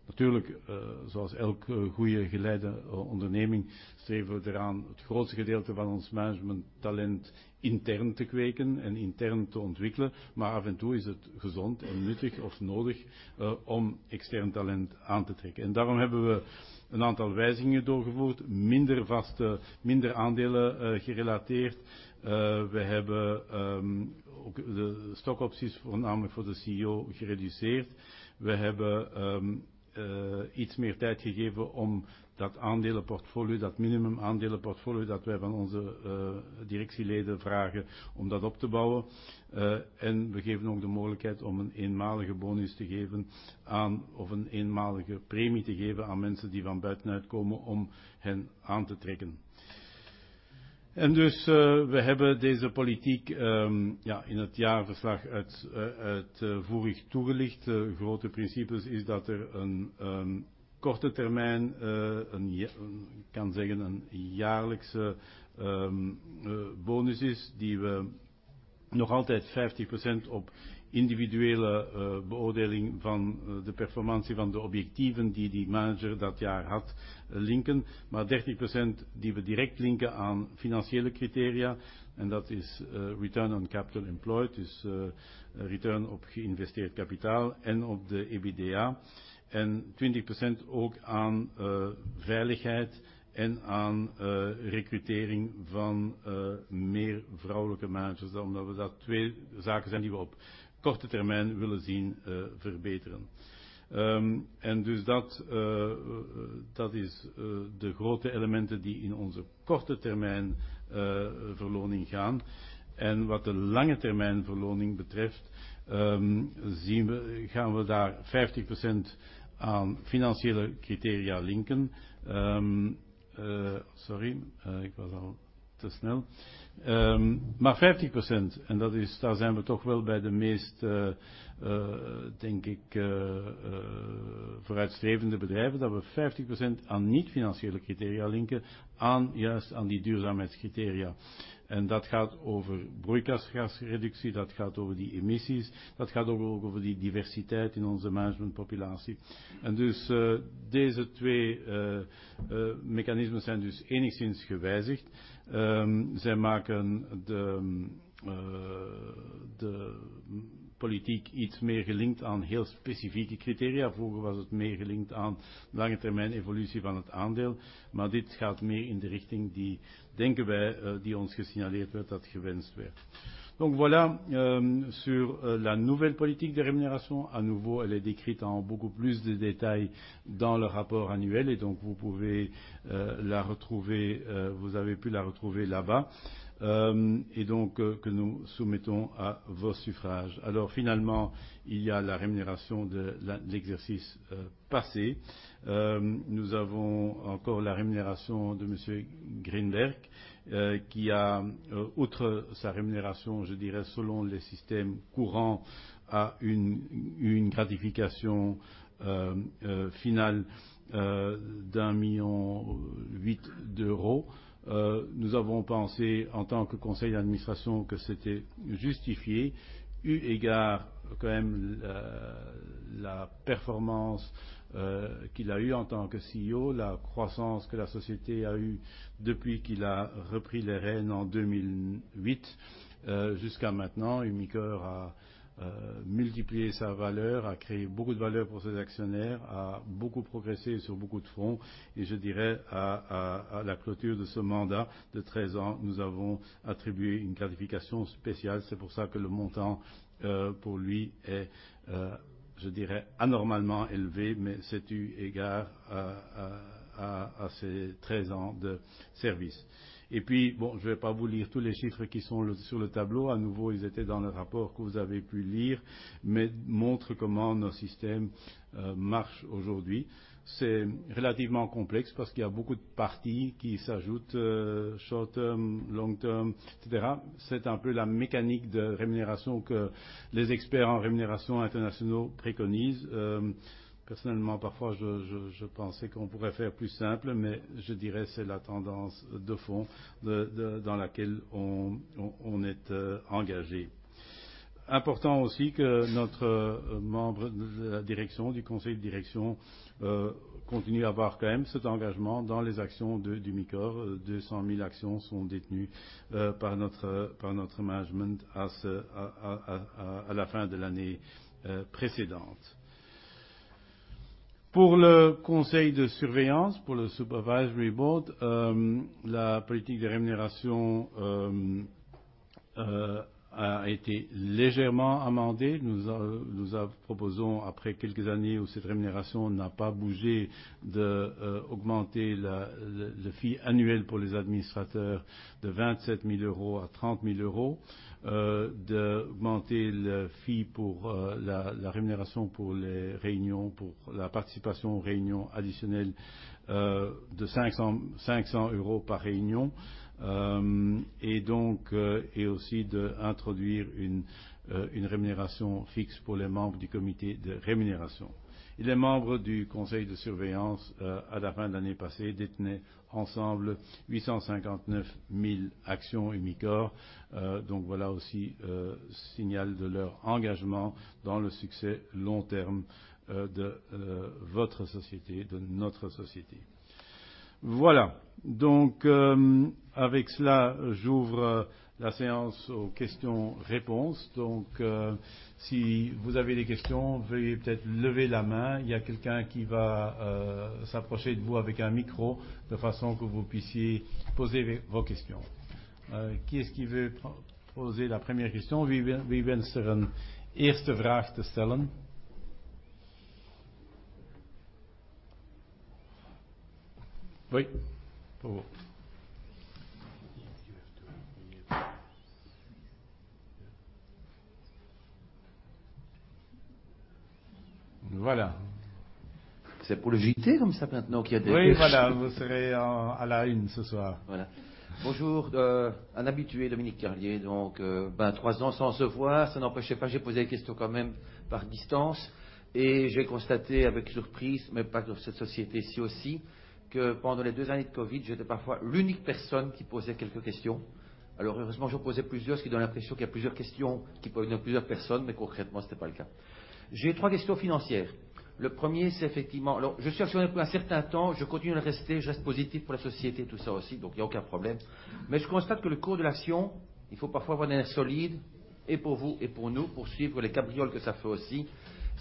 Natuurlijk, zoals elke goede geleide onderneming streven we eraan het grootste gedeelte van ons managementtalent intern te kweken en intern te ontwikkelen. Af en toe is het gezond en nuttig of nodig om extern talent aan te trekken. Daarom hebben we een aantal wijzigingen doorgevoerd. Minder vaste, minder aandelen gerelateerd. We hebben ook de stock options voornamelijk voor de CEO gereduceerd. We hebben iets meer tijd gegeven om dat aandelenportfolio, dat minimum aandelenportfolio dat wij van onze directieleden vragen om dat op te bouwen. We geven ook de mogelijkheid om een eenmalige bonus te geven aan of een eenmalige premie te geven aan mensen die van buitenuit komen om hen aan te trekken. We hebben deze politiek in het jaarverslag uitvoerig toegelicht. De grote principes is dat er een korte termijn, een je kan zeggen een jaarlijkse bonus is die we nog altijd 50% op individuele beoordeling van de performantie van de objectieven die die manager dat jaar had linken, maar 30% die we direct linken aan financiële criteria en dat is return on capital employed, dus return op geïnvesteerd kapitaal en op de EBITDA en 20% ook aan veiligheid en aan rekrutering van meer vrouwelijke managers. Omdat we dat twee zaken zijn die we op korte termijn willen zien verbeteren. Dus dat is de grote elementen die in onze korte termijn verloning gaan. Wat de lange termijn verloning betreft, zien we gaan we daar 50% aan financiële criteria linken. Sorry, ik was al te snel. 50% en dat is, daar zijn we toch wel bij de meest, denk ik, vooruitstrevende bedrijven dat we 50% aan niet-financiële criteria linken aan juist aan die duurzaamheidscriteria. Dat gaat over broeikasgasreductie. Dat gaat over die emissies. Dat gaat ook over die diversiteit in onze managementpopulatie. Deze twee mechanismen zijn dus enigszins gewijzigd. Zij maken de politique iets meer gelinkt aan heel specifieke criteria. Vroeger was het meer gelinkt aan de langetermijnevolutie van het aandeel, maar dit gaat meer in de richting die, denken wij, ons gesignaleerd werd dat gewenst werd. Voilà, sur la nouvelle politique de rémunération. À nouveau elle est décrite en beaucoup plus de détails dans le rapport annuel et donc vous pouvez la retrouver, vous avez pu la retrouver là-bas, et donc que nous soumettons à vos suffrages. Alors finalement, il y a la rémunération de l'exercice passé. Nous avons encore la rémunération de Monsieur Grynberg, qui a, outre sa rémunération, je dirais selon les systèmes courants, a une gratification finale d'EUR 1.8 million. Nous avons pensé en tant que conseil d'administration que c'était justifié eu égard quand même la performance qu'il a eu en tant que CEO, la croissance que la société a eu depuis qu'il a repris les rênes en 2008 jusqu'à maintenant. Umicore a multiplié sa valeur, a créé beaucoup de valeur pour ses actionnaires, a beaucoup progressé sur beaucoup de fronts et je dirais à la clôture de ce mandat de 13 ans, nous avons attribué une gratification spéciale. C'est pour ça que le montant pour lui est, je dirais, anormalement élevé. C'est eu égard à ces 13 ans de service. Puis bon, je ne vais pas vous lire tous les chiffres qui sont sur le tableau. À nouveau, ils étaient dans le rapport que vous avez pu lire, mais montre comment nos systèmes marchent aujourd'hui. C'est relativement complexe parce qu'il y a beaucoup de parties qui s'ajoutent. Short term, long term, et cetera. C'est un peu la mécanique de rémunération que les experts en rémunération internationaux préconisent. Personnellement, parfois je pensais qu'on pourrait faire plus simple, mais je dirais c'est la tendance de fond dans laquelle on est engagé. Important aussi que notre membre de la direction, du conseil de direction, continue à avoir quand même cet engagement dans les actions d'Umicore. 200,000 actions sont détenues par notre management à la fin de l'année précédente. Pour le conseil de surveillance, pour le Supervisory Board, la politique de rémunération a été légèrement amendée. Nous proposons, après quelques années où cette rémunération n'a pas bougé, d'augmenter le fee annuel pour les administrateurs de 27,000 euros à 30,000 euros, d'augmenter le fee pour la rémunération pour les réunions, pour la participation aux réunions additionnelles, de 500 par réunion, et aussi d'introduire une rémunération fixe pour les membres du comité de rémunération. Les membres du conseil de surveillance, à la fin de l'année passée, détenaient ensemble 859,000 actions Umicore. Voilà aussi signal de leur engagement dans le succès long terme de votre société, de notre société. Voilà. Avec cela, j'ouvre la séance aux questions-réponses. Si vous avez des questions, veuillez peut-être lever la main. Il y a quelqu'un qui va s'approcher de vous avec un micro de façon que vous puissiez poser vos questions. Qui est-ce qui veut poser la première question? Wie wil zijn eerste vraag te stellen? Oui, pour vous. Voilà. C'est pour le JT comme ça maintenant qu'il y a des questions? Oui, voilà, vous serez à la une ce soir. Voilà. Bonjour, un habitué, Dominique Carlier. 3 ans sans se voir, ça n'empêchait pas. J'ai posé des questions quand même par distance et j'ai constaté avec surprise, mais pas dans cette société-ci aussi, que pendant les 2 années de COVID, j'étais parfois l'unique personne qui posait quelques questions. Heureusement, j'en posais plusieurs, ce qui donne l'impression qu'il y a plusieurs questions qui viennent de plusieurs personnes, mais concrètement, ce n'est pas le cas. J'ai 3 questions financières. Le premier, c'est effectivement. Je suis actionnaire depuis un certain temps, je continue à le rester, je reste positif pour la société, tout ça aussi, donc il n'y a aucun problème. Je constate que le cours de l'action, il faut parfois avoir des nerfs solides et pour vous et pour nous, pour suivre les cabrioles que ça fait aussi.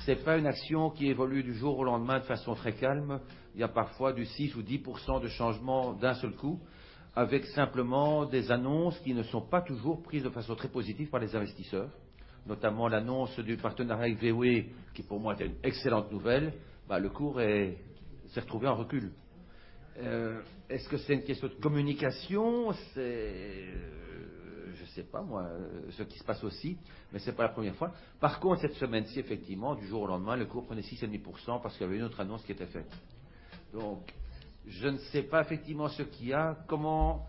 Ce n'est pas une action qui évolue du jour au lendemain de façon très calme. Il y a parfois 6%-10% de changement d'un seul coup avec simplement des annonces qui ne sont pas toujours prises de façon très positive par les investisseurs. Notamment l'annonce du partenariat avec VW, qui pour moi était une excellente nouvelle, ben le cours s'est retrouvé en recul. Est-ce que c'est une question de communication? Je ne sais pas, moi, ce qui se passe aussi, mais ce n'est pas la première fois. Par contre, cette semaine-ci, effectivement, du jour au lendemain, le cours prenait 6%-10% parce qu'il y avait une autre annonce qui était faite. Donc, je ne sais pas effectivement ce qu'il y a. Comment.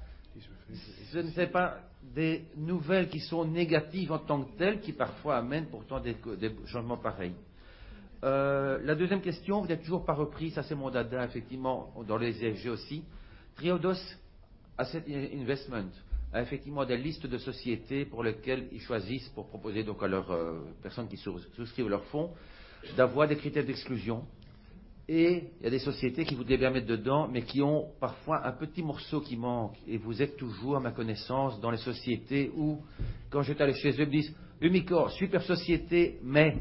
Je ne sais pas, des nouvelles qui sont négatives en tant que telles, qui parfois amènent pourtant des changements pareils. La deuxième question, vous n'avez toujours pas repris, ça, c'est mon dada, effectivement, dans les ESG aussi. Triodos Investment Management a effectivement des listes de sociétés pour lesquelles ils choisissent pour proposer donc à leurs personnes qui souscrivent leurs fonds d'avoir des critères d'exclusion. Il y a des sociétés qui voudraient bien mettre dedans, mais qui ont parfois un petit morceau qui manque. Vous êtes toujours, à ma connaissance, dans les sociétés où quand j'étais allé chez SW, ils me disent: Umicore, super société, mais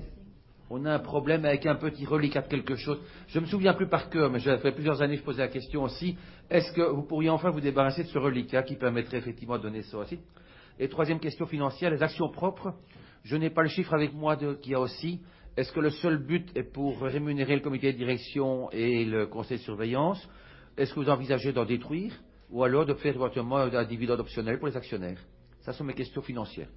on a un problème avec un petit reliquat de quelque chose. Je me souviens plus par cœur, mais ça fait plusieurs années que je pose la question aussi. Est-ce que vous pourriez enfin vous débarrasser de ce reliquat qui permettrait effectivement de donner ça aussi? Troisième question financière, les actions propres. Je n'ai pas le chiffre avec moi de qui a aussi. Est-ce que le seul but est pour rémunérer le comité de direction et le conseil de surveillance? Est-ce que vous envisagez d'en détruire ou alors de faire directement un dividende optionnel pour les actionnaires? Ça, ce sont mes questions financières.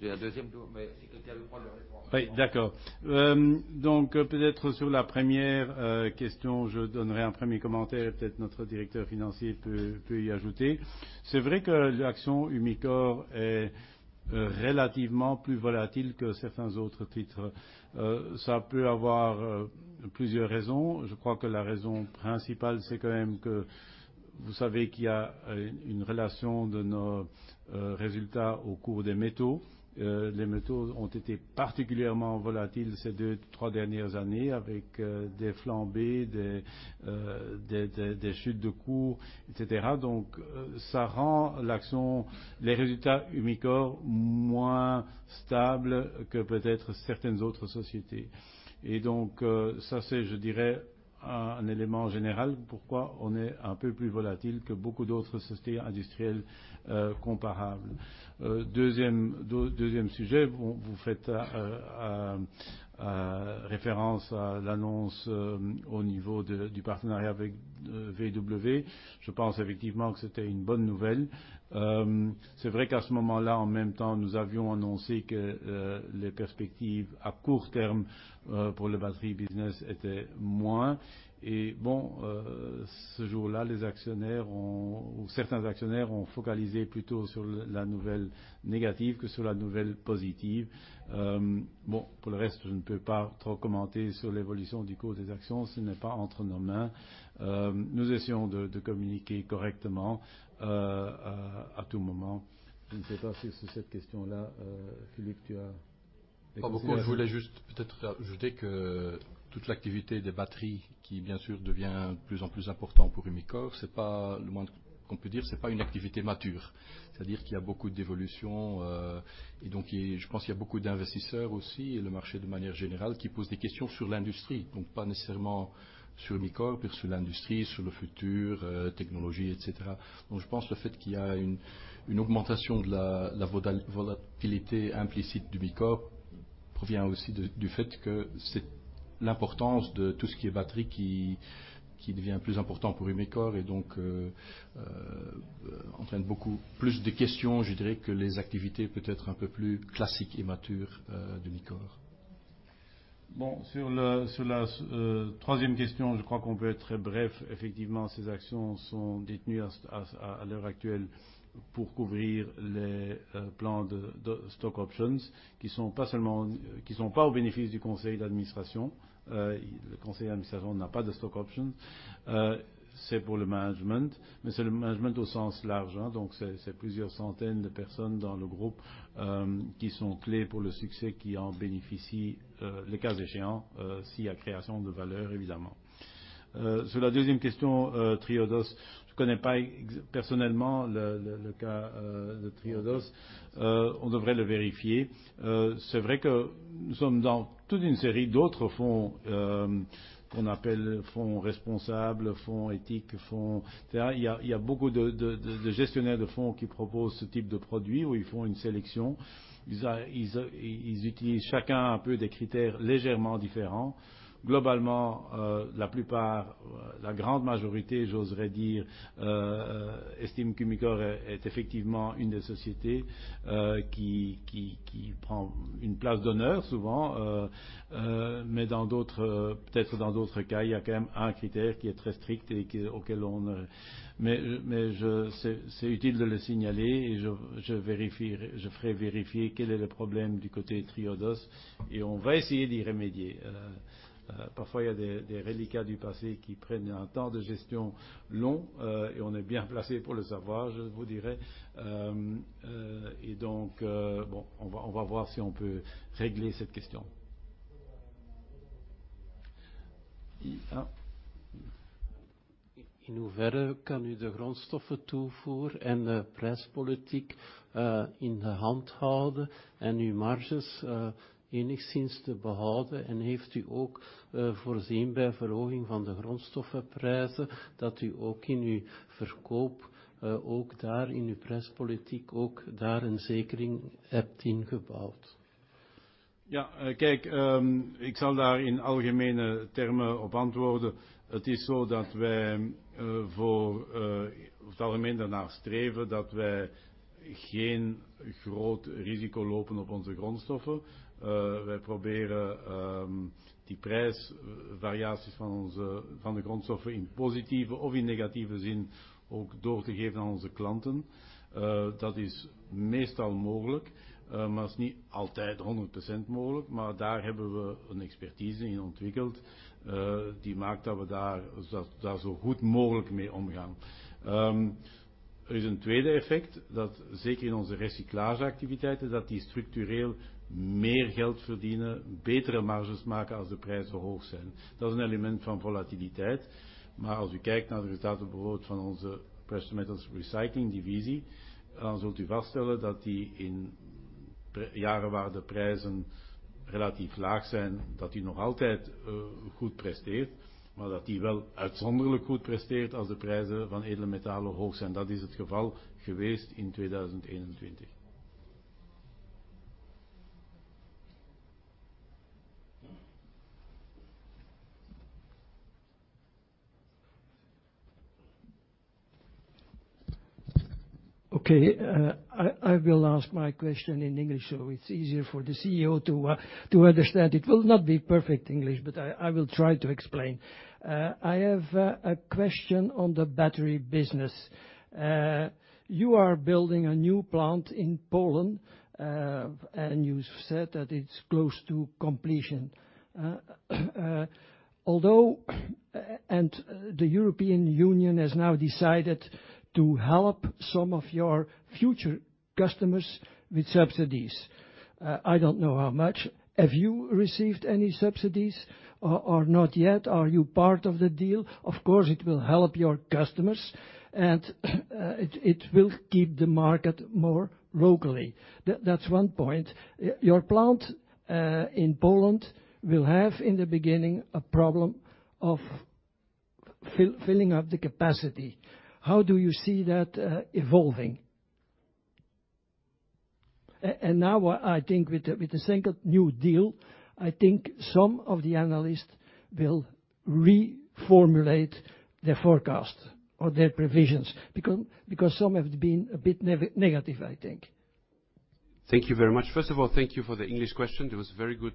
J'ai un deuxième tour, mais si quelqu'un veut prendre le relais. Oui, d'accord. Peut-être sur la première question, je donnerai un premier commentaire et peut-être notre directeur financier peut y ajouter. C'est vrai que l'action Umicore est relativement plus volatile que certains autres titres. Ça peut avoir plusieurs raisons. Je crois que la raison principale, c'est quand même que vous savez qu'il y a une relation de nos résultats au cours des métaux. Les métaux ont été particulièrement volatiles ces 2, 3 dernières années, avec des flambées, des chutes de cours, etc. Ça rend l'action, les résultats Umicore moins stables que peut-être certaines autres sociétés. C'est, je dirais, un élément général, pourquoi on est un peu plus volatile que beaucoup d'autres sociétés industrielles, comparables. Deuxième sujet, vous faites référence à l'annonce au niveau du partenariat avec VW. Je pense effectivement que c'était une bonne nouvelle. C'est vrai qu'à ce moment-là, en même temps, nous avions annoncé que les perspectives à court terme, pour le Battery Business étaient moins. Bon, ce jour-là, les actionnaires ont, ou certains actionnaires ont focalisé plutôt sur la nouvelle négative que sur la nouvelle positive. Bon, pour le reste, je ne peux pas trop commenter sur l'évolution du cours des actions. Ce n'est pas entre nos mains. Nous essayons de communiquer correctement, à tout moment. Je ne sais pas si sur cette question-là, Filip, tu as. Pas beaucoup. Je voulais juste peut-être ajouter que toute l'activité des batteries, qui bien sûr devient de plus en plus important pour Umicore, c'est pas le moins qu'on peut dire, c'est pas une activité mature, c'est-à-dire qu'il y a beaucoup d'évolutions. Je pense qu'il y a beaucoup d'investisseurs aussi et le marché de manière générale, qui pose des questions sur l'industrie, donc pas nécessairement sur Umicore, mais sur l'industrie, sur le futur, technologie, et cetera. Je pense le fait qu'il y a une augmentation de la volatilité implicite d'Umicore provient aussi du fait que c'est l'importance de tout ce qui est batterie qui devient plus important pour Umicore et donc, entraîne beaucoup plus de questions, je dirais, que les activités peut-être un peu plus classiques et matures d'Umicore. Bon, sur la troisième question, je crois qu'on peut être très bref. Effectivement, ces actions sont détenues à l'heure actuelle pour couvrir les plans de stock options qui sont pas seulement au bénéfice du conseil d'administration. Le conseil d'administration n'a pas de stock options. C'est pour le management, mais c'est le management au sens large. Donc c'est plusieurs centaines de personnes dans le groupe qui sont clés pour le succès, qui en bénéficient, le cas échéant, s'il y a création de valeur évidemment. Sur la deuxième question, Triodos, je ne connais pas personnellement le cas de Triodos. On devrait le vérifier. C'est vrai que nous sommes dans toute une série d'autres fonds qu'on appelle fonds responsables, fonds éthiques, fonds, etc. Il y a beaucoup de gestionnaires de fonds qui proposent ce type de produits où ils font une sélection. Ils utilisent chacun un peu des critères légèrement différents. Globalement, la plupart, la grande majorité, j'oserais dire, estime qu'Umicore est effectivement une des sociétés qui prend une place d'honneur, souvent, mais dans d'autres, peut-être dans d'autres cas, il y a quand même un critère qui est très strict. C'est utile de le signaler et je vérifierai, je ferai vérifier quel est le problème du côté Triodos et on va essayer d'y remédier. Parfois, il y a des reliquats du passé qui prennent un temps de gestion long et on est bien placé pour le savoir, je vous dirais. Bon, on va voir si on peut régler cette question. In hoeverre kan u de grondstoffentoevoer en de prijspolitiek in de hand houden en uw marges enigszins te behouden? En heeft u ook voorzien bij verhoging van de grondstoffenprijzen dat u ook in uw verkoop, ook daar in uw prijspolitiek, ook daar een zekering hebt ingebouwd? Ja, kijk, ik zal daar in algemene termen op antwoorden. Het is zo dat wij in het algemeen ernaar streven dat wij geen groot risico lopen op onze grondstoffen. Wij proberen die prijsvariaties van de grondstoffen in positieve of in negatieve zin ook door te geven aan onze klanten. Dat is meestal mogelijk, maar het is niet altijd 100% mogelijk. Maar daar hebben we een expertise in ontwikkeld die maakt dat we daar zo goed mogelijk mee omgaan. Er is een tweede effect dat zeker in onze recyclageactiviteiten die structureel meer geld verdienen, betere marges maken als de prijzen hoog zijn. Dat is een element van volatiliteit. Als u kijkt naar de resultaten bijvoorbeeld van onze Precious Metals Refining divisie, dan zult u vaststellen dat die in jaren waar de prijzen relatief laag zijn, dat die nog altijd goed presteert, maar dat die wel uitzonderlijk goed presteert als de prijzen van edele metalen hoog zijn. Dat is het geval geweest in 2021. I will ask my question in English, so it's easier for the CEO to understand. It will not be perfect English, but I will try to explain. I have a question on the battery business. You are building a new plant in Poland, and you said that it's close to completion. Although the European Union has now decided to help some of your future customers with subsidies, I don't know how much. Have you received any subsidies or not yet? Are you part of the deal? Of course, it will help your customers and it will keep the market more locally. That's one point. Your plant in Poland will have in the beginning a problem of filling up the capacity. How do you see that evolving? Now I think with the second new deal, I think some of the analysts will reformulate their forecasts or their provisions because some have been a bit negative, I think. Thank you very much. First of all, thank you for the English question. That was very good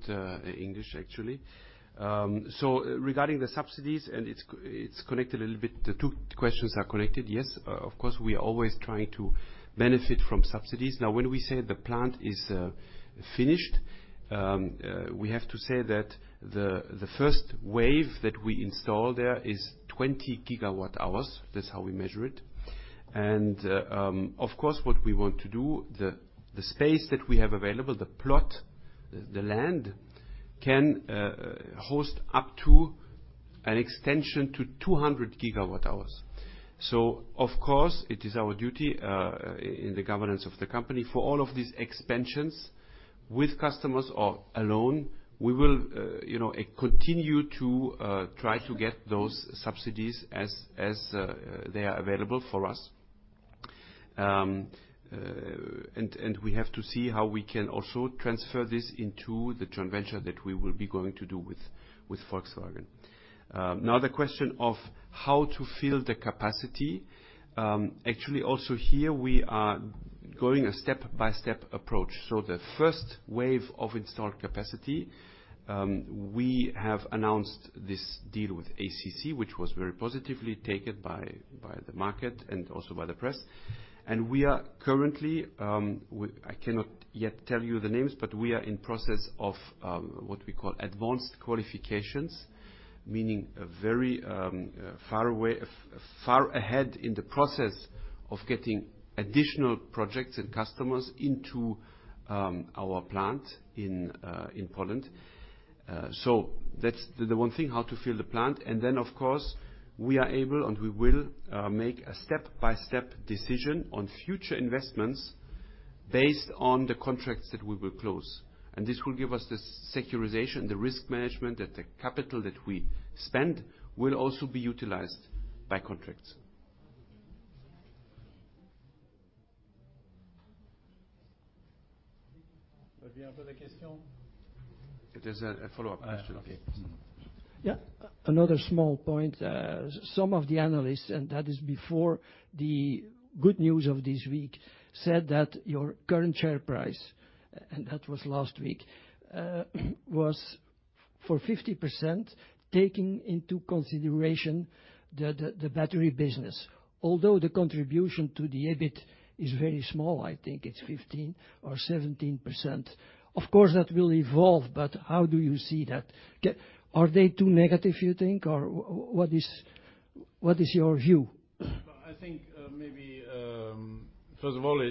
English, actually. So regarding the subsidies and it's connected a little bit. The two questions are connected. Yes, of course, we are always trying to benefit from subsidies. Now, when we say the plant is finished, we have to say that the first wave that we install there is 20 GWh. That's how we measure it. Of course, what we want to do, the space that we have available, the plot, the land can host up to an extension to 200 GWh. Of course, it is our duty in the governance of the company for all of these expansions with customers or alone, we will, you know, continue to try to get those subsidies as they are available for us. And we have to see how we can also transfer this into the joint venture that we will be going to do with Volkswagen. Now the question of how to fill the capacity, actually, also here we are going a step-by-step approach. The first wave of installed capacity, we have announced this deal with ACC, which was very positively taken by the market and also by the press. We are currently, I cannot yet tell you the names, but we are in process of what we call advanced qualifications, meaning a very far ahead in the process of getting additional projects and customers into our plant in Poland. That's the one thing, how to fill the plant. Then, of course, we are able and we will make a step-by-step decision on future investments based on the contracts that we will close. This will give us the securitization, the risk management, that the capital that we spend will also be utilized by contracts. It is a follow-up question. Yeah. Another small point. Some of the analysts, and that is before the good news of this week, said that your current share price, and that was last week, was worth 50% taking into consideration the battery business. Although the contribution to the EBIT is very small, I think it's 15% or 17%. Of course, that will evolve, but how do you see that? Are they too negative, you think? Or what is your view? I think maybe first of all,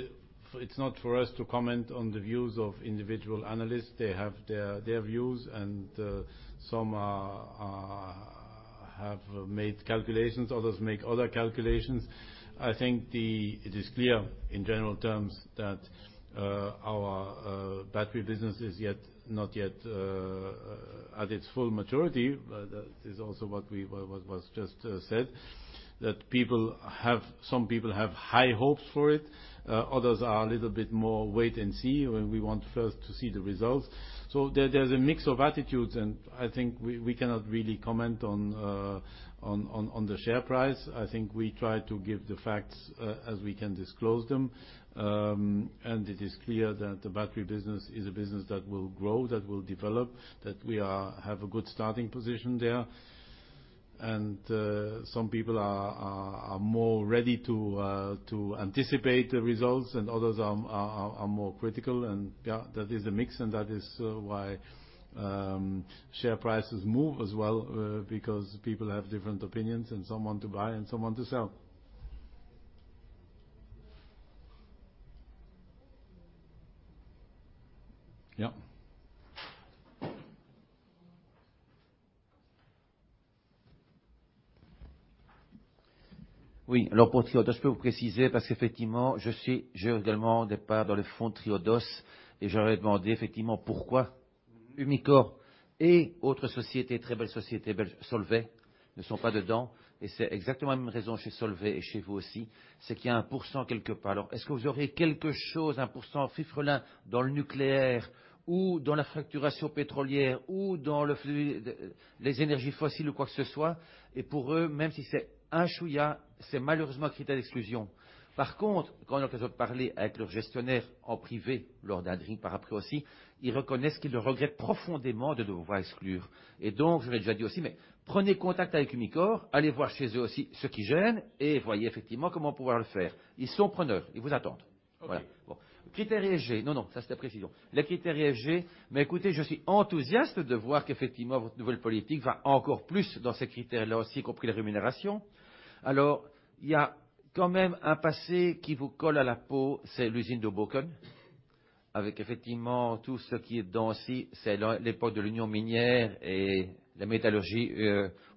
it's not for us to comment on the views of individual analysts. They have their views, and some have made calculations, others make other calculations. I think it is clear in general terms that our battery business is not yet at its full maturity. That is also what's just said, that some people have high hopes for it, others are a little bit more wait and see, and we want first to see the results. There's a mix of attitudes, and I think we cannot really comment on the share price. I think we try to give the facts as we can disclose them. It is clear that the battery business is a business that will grow, that will develop, that we have a good starting position there. Some people are more ready to anticipate the results, and others are more critical. Yeah, that is a mix, and that is why share prices move as well, because people have different opinions and some want to buy and some want to sell. Yeah. Oui. Pour Triodos, je peux vous préciser, parce qu'effectivement, j'ai également des parts dans le fonds Triodos, et j'aurais demandé effectivement pourquoi Umicore et autres sociétés, très belles sociétés belges, Solvay, ne sont pas dedans. C'est exactement la même raison chez Solvay et chez vous aussi, c'est qu'il y a 1% quelque part. Est-ce que vous auriez quelque chose, 1%, un fifrelin dans le nucléaire ou dans la fracturation pétrolière ou dans les énergies fossiles ou quoi que ce soit? Pour eux, même si c'est un chouïa, c'est malheureusement critère d'exclusion. Par contre, quand on a l'occasion de parler avec leur gestionnaire en privé lors d'un drink par après aussi, ils reconnaissent qu'ils le regrettent profondément de nous voir exclure. Je l'ai déjà dit aussi, mais prenez contact avec Umicore, allez voir chez eux aussi ce qui gêne et voyez effectivement comment pouvoir le faire. Ils sont preneurs, ils vous attendent. Voilà. Bon. Critères ESG. Non, non, ça, c'est la précision. Les critères ESG. Mais écoutez, je suis enthousiaste de voir qu'effectivement, votre nouvelle politique va encore plus dans ces critères-là aussi, y compris les rémunérations. Alors, il y a quand même un passé qui vous colle à la peau, c'est l'usine d'Olen, avec effectivement tout ce qui est dedans aussi. C'est l'époque de l'Union Minière et la métallurgie,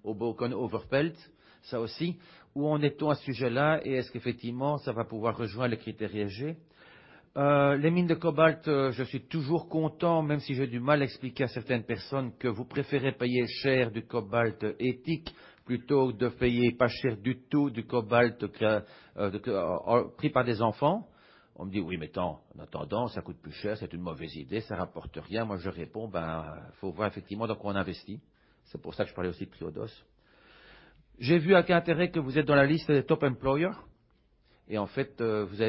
Olen-Overpelt, ça aussi. Où en est-on à ce sujet-là? Et est-ce qu'effectivement, ça va pouvoir rejoindre les critères ESG? Les mines de cobalt, je suis toujours content, même si j'ai du mal à expliquer à certaines personnes que vous préférez payer cher du cobalt éthique plutôt que de payer pas cher du tout du cobalt pris par des enfants. On me dit: « Oui, mais attend, en attendant, ça coûte plus cher, c'est une mauvaise idée, ça rapporte rien. » Moi, je réponds: « Ben, il faut voir effectivement dans quoi on investit. » C'est pour ça que je parlais aussi de Triodos. J'ai vu avec intérêt que vous êtes dans la liste des Top Employers. Et en fait,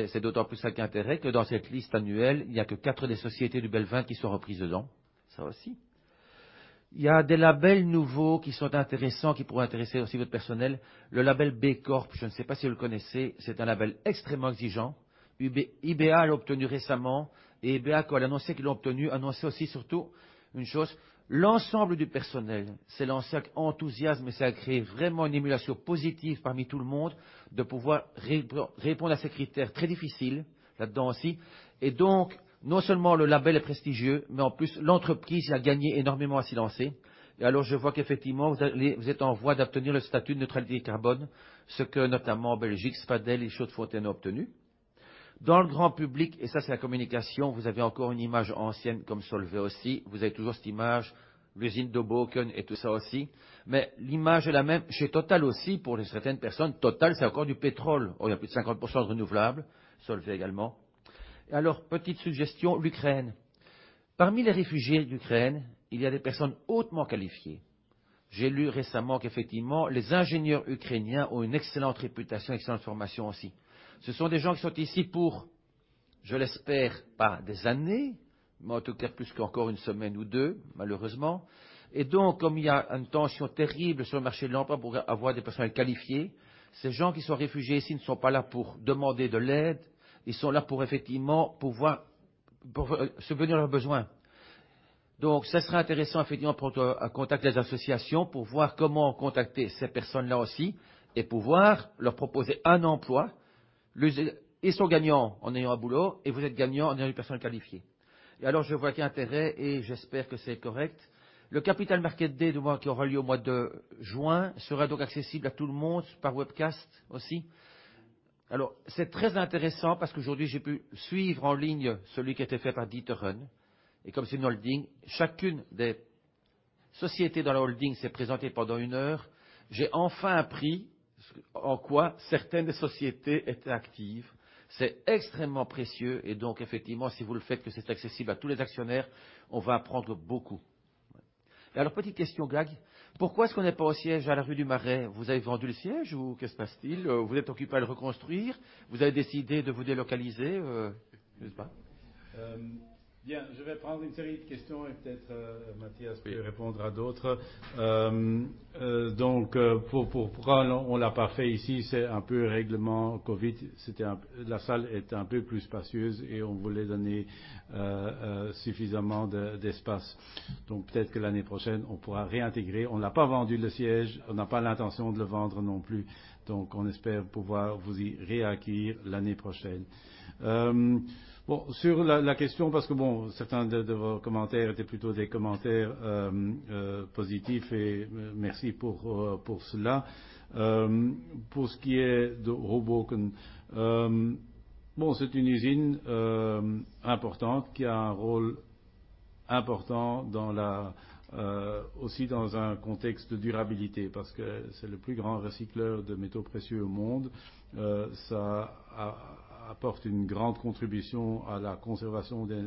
c'est d'autant plus avec intérêt que dans cette liste annuelle, il n'y a que quatre des sociétés du BEL 20 qui sont reprises dedans. Ça aussi. Il y a des labels nouveaux qui sont intéressants, qui pourraient intéresser aussi votre personnel. Le label B Corp, je ne sais pas si vous le connaissez, c'est un label extrêmement exigeant. UBA l'a obtenu récemment et UBA, quand elle a annoncé qu'ils l'ont obtenu, a annoncé aussi surtout une chose, l'ensemble du personnel s'est lancé avec enthousiasme et ça a créé vraiment une émulation positive parmi tout le monde de pouvoir répondre à ces critères très difficiles là-dedans aussi. Donc, non seulement le label est prestigieux, mais en plus, l'entreprise a gagné énormément à s'y lancer. Alors, je vois qu'effectivement, vous êtes en voie d'obtenir le statut de neutralité carbone, ce que notamment en Belgique, Spadel et Chaudfontaine ont obtenu. Dans le grand public, ça, c'est la communication, vous avez encore une image ancienne comme Solvay aussi. Vous avez toujours cette image, l'usine de Hoboken et tout ça aussi. L'image est la même chez Total aussi. Pour certaines personnes, Total, c'est encore du pétrole. Or, il y a plus de 50% de renouvelables, Solvay également. Alors, petite suggestion, l'Ukraine. Parmi les réfugiés d'Ukraine, il y a des personnes hautement qualifiées. J'ai lu récemment qu'effectivement, les ingénieurs ukrainiens ont une excellente réputation, excellente formation aussi. Ce sont des gens qui sont ici pour, je l'espère, pas des années, mais en tout cas plus qu'encore une semaine ou deux, malheureusement. Et donc, comme il y a une tension terrible sur le marché de l'emploi pour avoir des personnels qualifiés, ces gens qui sont réfugiés ici ne sont pas là pour demander de l'aide. Ils sont là pour effectivement pouvoir subvenir leurs besoins. Donc, ça serait intéressant effectivement de prendre contact avec les associations pour voir comment contacter ces personnes-là aussi et pouvoir leur proposer un emploi. Ils sont gagnants en ayant un boulot et vous êtes gagnant en ayant une personne qualifiée. Je vois qu'il y a intérêt et j'espère que c'est correct. Le Capital Market Day, je vois, qui aura lieu au mois de juin, sera donc accessible à tout le monde par webcast aussi. C'est très intéressant parce qu'aujourd'hui, j'ai pu suivre en ligne celui qui a été fait par D'Ieteren. Comme c'est une holding, chacune des sociétés dans la holding s'est présentée pendant une heure. J'ai enfin appris en quoi certaines sociétés étaient actives. C'est extrêmement précieux. Effectivement, si vous le faites, que c'est accessible à tous les actionnaires, on va apprendre beaucoup. Petite question, Glag. Pourquoi est-ce qu'on n'est pas au siège à la rue du Marais? Vous avez vendu le siège ou que se passe-t-il? Vous êtes occupé à le reconstruire? Vous avez décidé de vous délocaliser, n'est-ce pas? Bien, je vais prendre une série de questions et peut-être Mathias peut répondre à d'autres. Pour pourquoi on ne l'a pas fait ici, c'est un peu le règlement COVID. La salle est un peu plus spacieuse et on voulait donner suffisamment d'espace. Peut-être que l'année prochaine, on pourra réintégrer. On n'a pas vendu le siège, on n'a pas l'intention de le vendre non plus. On espère pouvoir vous y réaccueillir l'année prochaine. Bon, sur la question, parce que certains de vos commentaires étaient plutôt des commentaires positifs et merci pour cela. Pour ce qui est de Hoboken, c'est une usine importante qui a un rôle important dans la aussi dans un contexte de durabilité, parce que c'est le plus grand recycleur de métaux précieux au monde. Ça apporte une grande contribution à la conservation des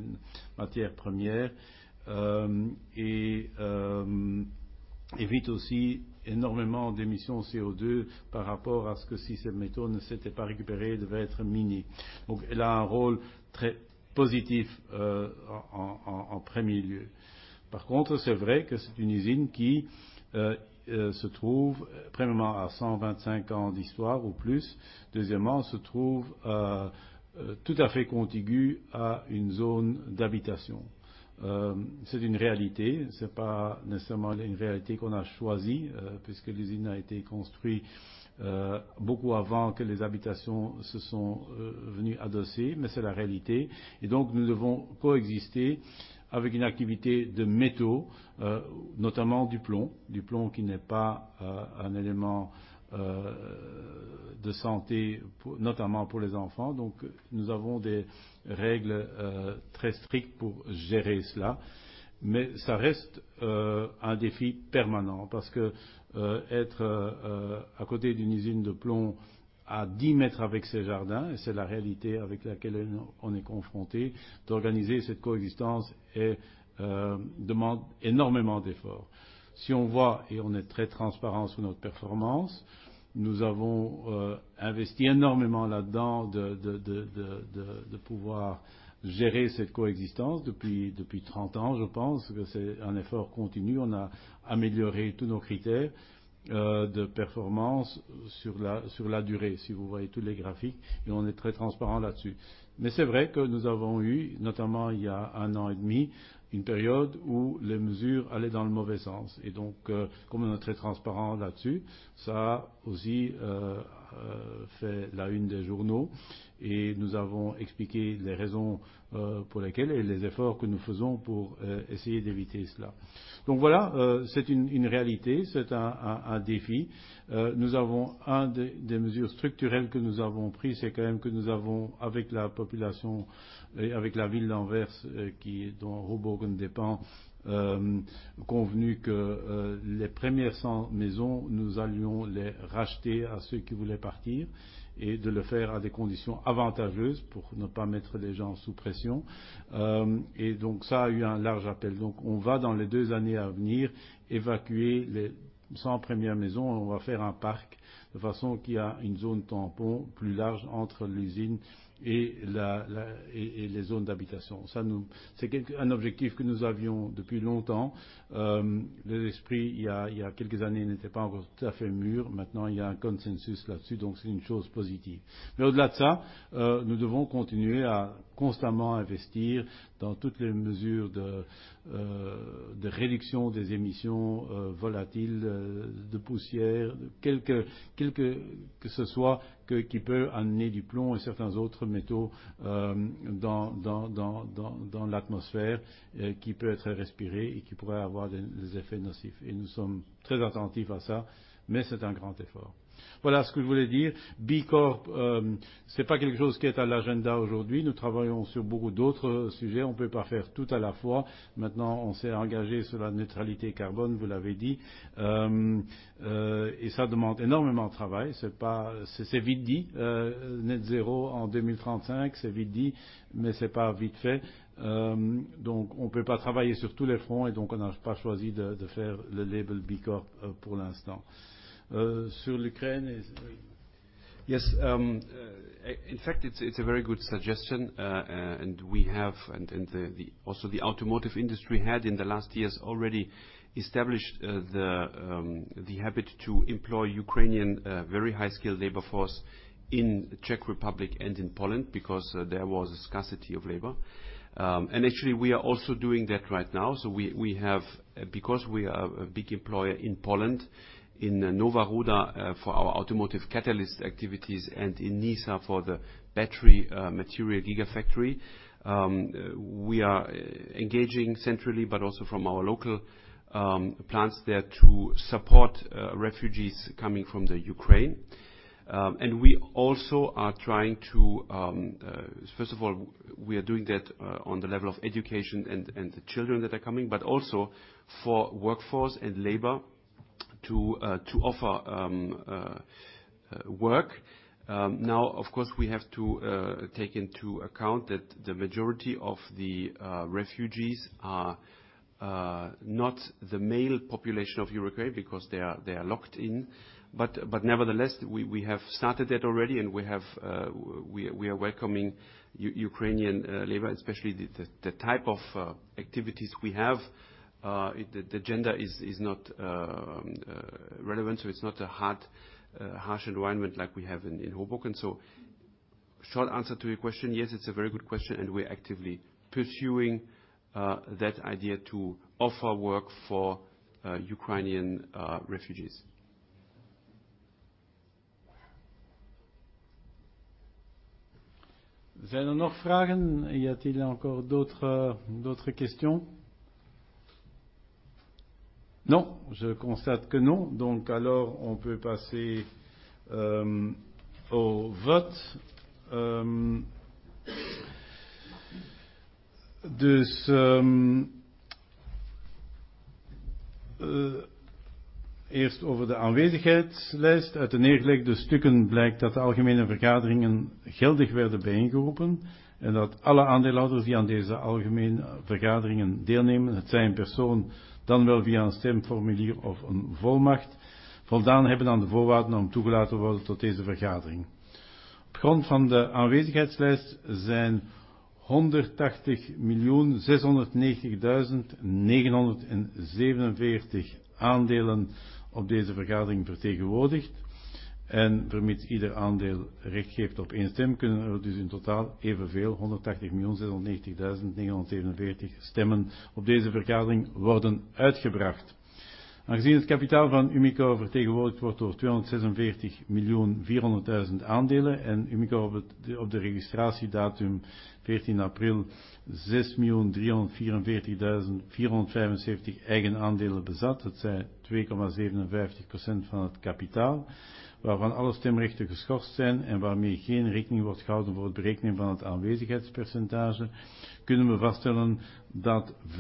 matières premières et évite aussi énormément d'émissions CO₂ par rapport à ce que si cette métaux ne s'était pas récupérée, elle devait être minée. Elle a un rôle très positif en premier lieu. Par contre, c'est vrai que c'est une usine qui se trouve, premièrement, à 125 ans d'histoire ou plus. Deuxièmement, se trouve tout à fait contiguë à une zone d'habitation. C'est une réalité. Ce n'est pas nécessairement une réalité qu'on a choisie, puisque l'usine a été construite beaucoup avant que les habitations se sont venues adosser, mais c'est la réalité. Nous devons coexister avec une activité de métaux, notamment du plomb. Du plomb qui n'est pas un élément de santé, notamment pour les enfants. Nous avons des règles très strictes pour gérer cela. Ça reste un défi permanent parce qu'être à côté d'une usine de plomb à 10 mètres avec ses jardins, et c'est la réalité avec laquelle on est confronté. D'organiser cette coexistence demande énormément d'efforts. Si on voit, et on est très transparent sur notre performance, nous avons investi énormément là-dedans de pouvoir gérer cette coexistence depuis 30 ans. Je pense que c'est un effort continu. On a amélioré tous nos critères de performance sur la durée. Si vous voyez tous les graphiques, et on est très transparent là-dessus. C'est vrai que nous avons eu, notamment il y a 1 an et demi, une période où les mesures allaient dans le mauvais sens. Comme on est très transparent là-dessus, ça a aussi fait la une des journaux et nous avons expliqué les raisons pour lesquelles et les efforts que nous faisons pour essayer d'éviter cela. Voilà, c'est une réalité, c'est un défi. Une des mesures structurelles que nous avons prises, c'est que nous avons convenu, avec la population et avec la ville d'Anvers, dont Hoboken dépend, que les premières 100 maisons, nous allions les racheter à ceux qui voulaient partir et de le faire à des conditions avantageuses pour ne pas mettre les gens sous pression. Ça a eu un large appel. On va, dans les 2 années à venir, évacuer les 100 premières maisons. On va faire un parc de façon qu'il y a une zone tampon plus large entre l'usine et les zones d'habitation. C'est un objectif que nous avions depuis longtemps. L'esprit, il y a quelques années, n'était pas encore tout à fait mûr. Maintenant, il y a un consensus là-dessus, donc c'est une chose positive. Au-delà de ça, nous devons continuer à constamment investir dans toutes les mesures de réduction des émissions volatiles de poussière, quel que ce soit qui peut amener du plomb et certains autres métaux dans l'atmosphère, qui peut être respiré et qui pourrait avoir des effets nocifs. Nous sommes très attentifs à ça, mais c'est un grand effort. Voilà ce que je voulais dire. B Corp, c'est pas quelque chose qui est à l'agenda aujourd'hui. Nous travaillons sur beaucoup d'autres sujets. On peut pas faire tout à la fois. Maintenant, on s'est engagé sur la neutralité carbone, vous l'avez dit. Ça demande énormément de travail. C'est vite dit, net zéro en 2035, c'est vite dit, mais c'est pas vite fait. Donc on peut pas travailler sur tous les fronts et donc on n'a pas choisi de faire le label B Corp pour l'instant. Sur l'Ukraine. Yes, in fact, it's a very good suggestion, and the automotive industry had in the last years already established the habit to employ Ukrainian very high skilled labor force in Czech Republic and in Poland because there was a scarcity of labor. Actually we are also doing that right now. We have because we are a big employer in Poland, in Nowa Ruda, for our automotive catalyst activities and in Nysa for the battery material gigafactory. We are engaging centrally, but also from our local plants there to support refugees coming from the Ukraine. We also are trying to first of all we are doing that on the level of education and the children that are coming, but also for workforce and labor to offer work. Now of course, we have to take into account that the majority of the refugees are not the male population of Ukraine because they are locked in. Nevertheless, we have started that already and we are welcoming Ukrainian labor, especially the type of activities we have. The gender is not relevant. It's not a hard harsh environment like we have in Hoboken. Short answer to your question, yes, it's a very good question, and we're actively pursuing that idea to offer work for Ukrainian refugees. Y a-t-il encore d'autres questions? Non, je constate que non. On peut passer au vote. Eerst over de aanwezigheidslijst. Uit de neergelegde stukken blijkt dat de algemene vergaderingen geldig werden bijeengeroepen en dat alle aandeelhouders die aan deze algemene vergaderingen deelnemen, hetzij in persoon, dan wel via een stemformulier of een volmacht, voldaan hebben aan de voorwaarden om toegelaten te worden tot deze vergadering. Op grond van de aanwezigheidslijst zijn 180,690,947 aandelen op deze vergadering vertegenwoordigd en vermits ieder aandeel recht geeft op één stem, kunnen er dus in totaal evenveel, 180,690,947 stemmen op deze vergadering worden uitgebracht. Aangezien het kapitaal van Umicore vertegenwoordigd wordt door 246.400.000 aandelen en Umicore op de registratiedatum 14 april 6.344.475 eigen aandelen bezat, hetzij 2.57% van het kapitaal, waarvan alle stemrechten geschorst zijn en waarmee geen rekening wordt gehouden voor het berekenen van het aanwezigheidspercentage, kunnen we vaststellen dat 75.27%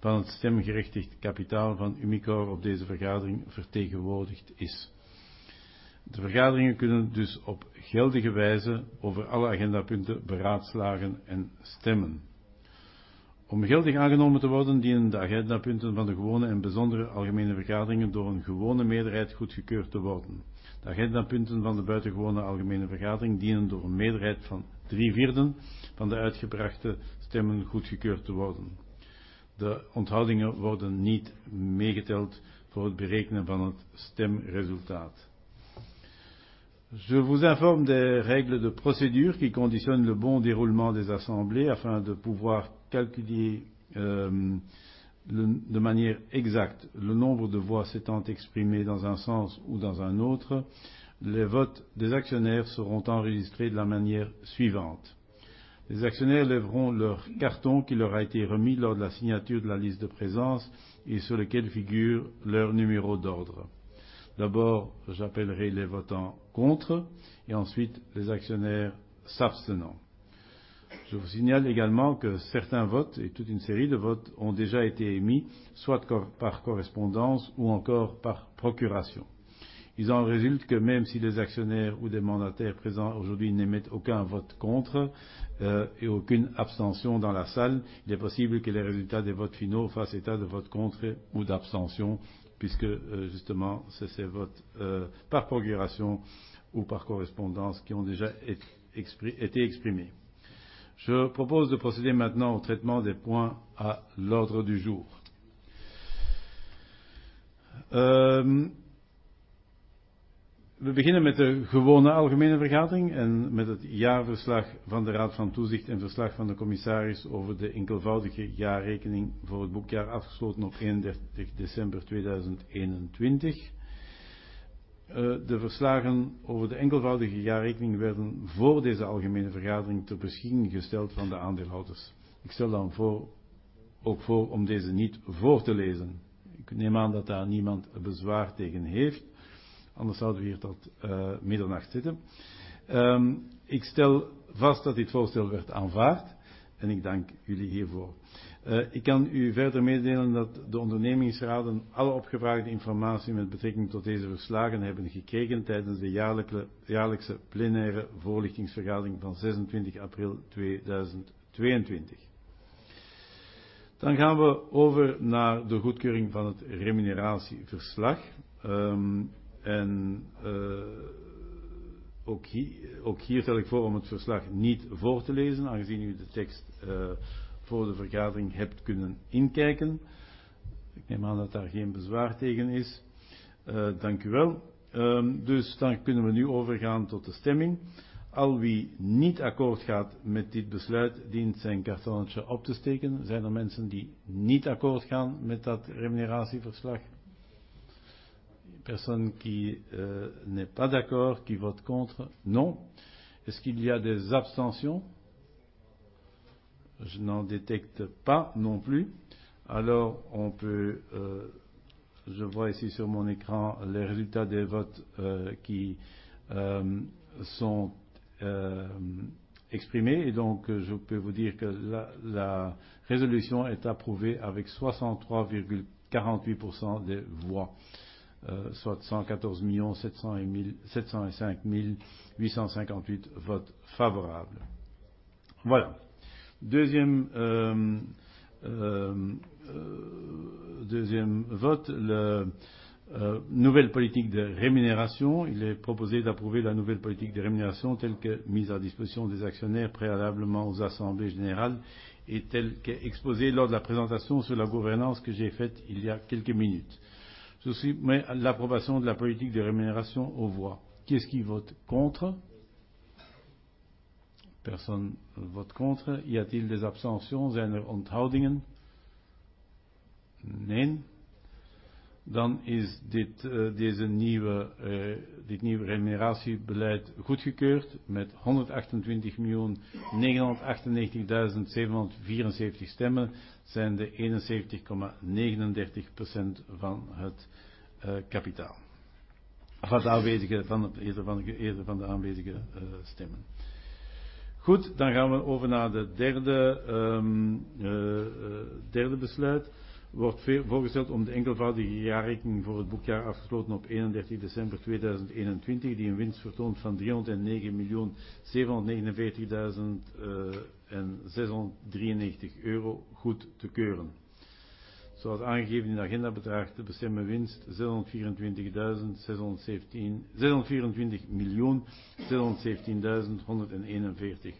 van het stemgerechtigd kapitaal van Umicore op deze vergadering vertegenwoordigd is. De vergaderingen kunnen dus op geldige wijze over alle agendapunten beraadslagen en stemmen. Om geldig aangenomen te worden, dienen de agendapunten van de gewone en bijzondere algemene vergaderingen door een gewone meerderheid goedgekeurd te worden. De agendapunten van de buitengewone algemene vergadering dienen door een meerderheid van drie vierden van de uitgebrachte stemmen goedgekeurd te worden. De onthoudingen worden niet meegeteld voor het berekenen van het stemresultaat. Je vous informe des règles de procédure qui conditionnent le bon déroulement des assemblées afin de pouvoir calculer de manière exacte le nombre de voix s'étant exprimées dans un sens ou dans un autre. Les votes des actionnaires seront enregistrés de la manière suivante: les actionnaires lèveront leur carton qui leur a été remis lors de la signature de la liste de présence et sur lequel figure leur numéro d'ordre. D'abord, j'appellerai les votants contre et ensuite les actionnaires s'abstenant. Je vous signale également que certains votes et toute une série de votes ont déjà été émis soit par correspondance ou encore par procuration. Il en résulte que même si des actionnaires ou des mandataires présents aujourd'hui n'émettent aucun vote contre, et aucune abstention dans la salle, il est possible que les résultats des votes finaux fassent état de votes contre ou d'abstention, puisque justement, c'est ces votes par procuration ou par correspondance qui ont déjà été exprimés. Je propose de procéder maintenant au traitement des points à l'ordre du jour. We beginnen met de gewone algemene vergadering en met het jaarverslag van de raad van toezicht en verslag van de commissaris over de enkelvoudige jaarrekening voor het boekjaar, afgesloten op 31 december 2021. De verslagen over de enkelvoudige jaarrekening werden voor deze algemene vergadering ter beschikking gesteld van de aandeelhouders. Ik stel dan voor, ook voor om deze niet voor te lezen. Ik neem aan dat daar niemand bezwaar tegen heeft. Anders zouden we hier tot middernacht zitten. Ik stel vast dat dit voorstel werd aanvaard en ik dank jullie hiervoor. Ik kan u verder meedelen dat de ondernemingsraden alle opgevraagde informatie met betrekking tot deze verslagen hebben gekregen tijdens de jaarlijkse plenaire voorlichtingsvergadering van 26 april 2022. Gaan we over naar de goedkeuring van het remuneratieverslag. Ook hier stel ik voor om het verslag niet voor te lezen, aangezien u de tekst voor de vergadering hebt kunnen inkijken. Ik neem aan dat daar geen bezwaar tegen is. Dank u wel. Kunnen we nu overgaan tot de stemming. Al wie niet akkoord gaat met dit besluit dient zijn kartonnetje op te steken. Zijn er mensen die niet akkoord gaan met dat remuneratieverslag? Personnes qui n'est pas d'accord, qui vote contre? Non. Est-ce qu'il y a des abstentions? Je n'en détecte pas non plus. Je vois ici sur mon écran les résultats des votes qui sont exprimés. Je peux vous dire que la résolution est approuvée avec 63.48% des voix, soit 114,700,705.858 votes favorables. Voilà. Deuxième vote: la nouvelle politique de rémunération. Il est proposé d'approuver la nouvelle politique de rémunération telle que mise à disposition des actionnaires préalablement aux assemblées générales et telle qu'exposée lors de la présentation sur la gouvernance que j'ai faite il y a quelques minutes. Je soumets l'approbation de la politique de rémunération aux voix. Qui est-ce qui vote contre? Personne vote contre. Y a-t-il des abstentions? Zijn er onthoudingen? Neen. Dan is dit nieuwe remuneratiebeleid goedgekeurd met 128,998,774 stemmen, zijnde 71.39% van het kapitaal, van de aanwezige stemmen. Goed, dan gaan we over naar de derde besluit. Wordt voorgesteld om de enkelvoudige jaarrekening voor het boekjaar afgesloten op 31 December 2021, die een winst vertoont van 309,749,000.693 euro goed te keuren. Zoals aangegeven in de agenda bedraagt de bestemde winst EUR 624,617,141.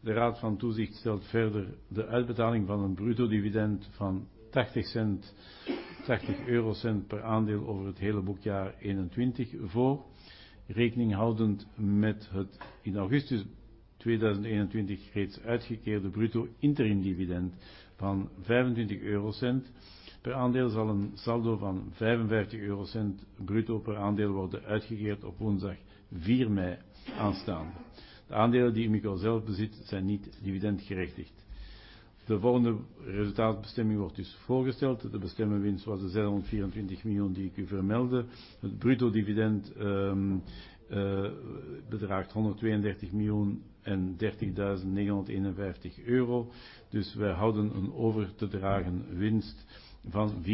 De raad van toezicht stelt verder de uitbetaling van een bruto dividend van 0.80 per aandeel over het hele boekjaar 2021 voor. Rekening houdend met het in augustus 2021 reeds uitgekeerde bruto interimdividend van 0.25 per aandeel zal een saldo van 0.55 bruto per aandeel worden uitgekeerd op woensdag 4 mei aanstaande. De aandelen die Umicore zelf bezit, zijn niet dividendgerechtigd. De volgende resultaatbestemming wordt dus voorgesteld. De bestemde winst was de EUR 624 million die ik u vermeldde. Het bruto dividend bedraagt EUR 132,030,951. Wij houden een over te dragen winst van 492,586,190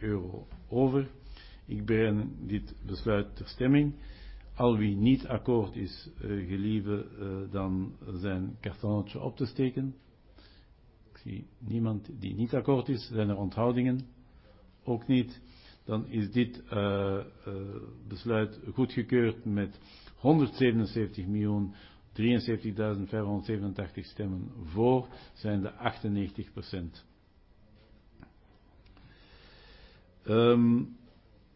euro over. Ik breng dit besluit ter stemming. Al wie niet akkoord is, gelieve dan zijn kartonnetje op te steken. Ik zie niemand die niet akkoord is. Zijn er onthoudingen? Ook niet. Dan is dit besluit goedgekeurd met 177,073,587 stemmen voor, zijnde 98%.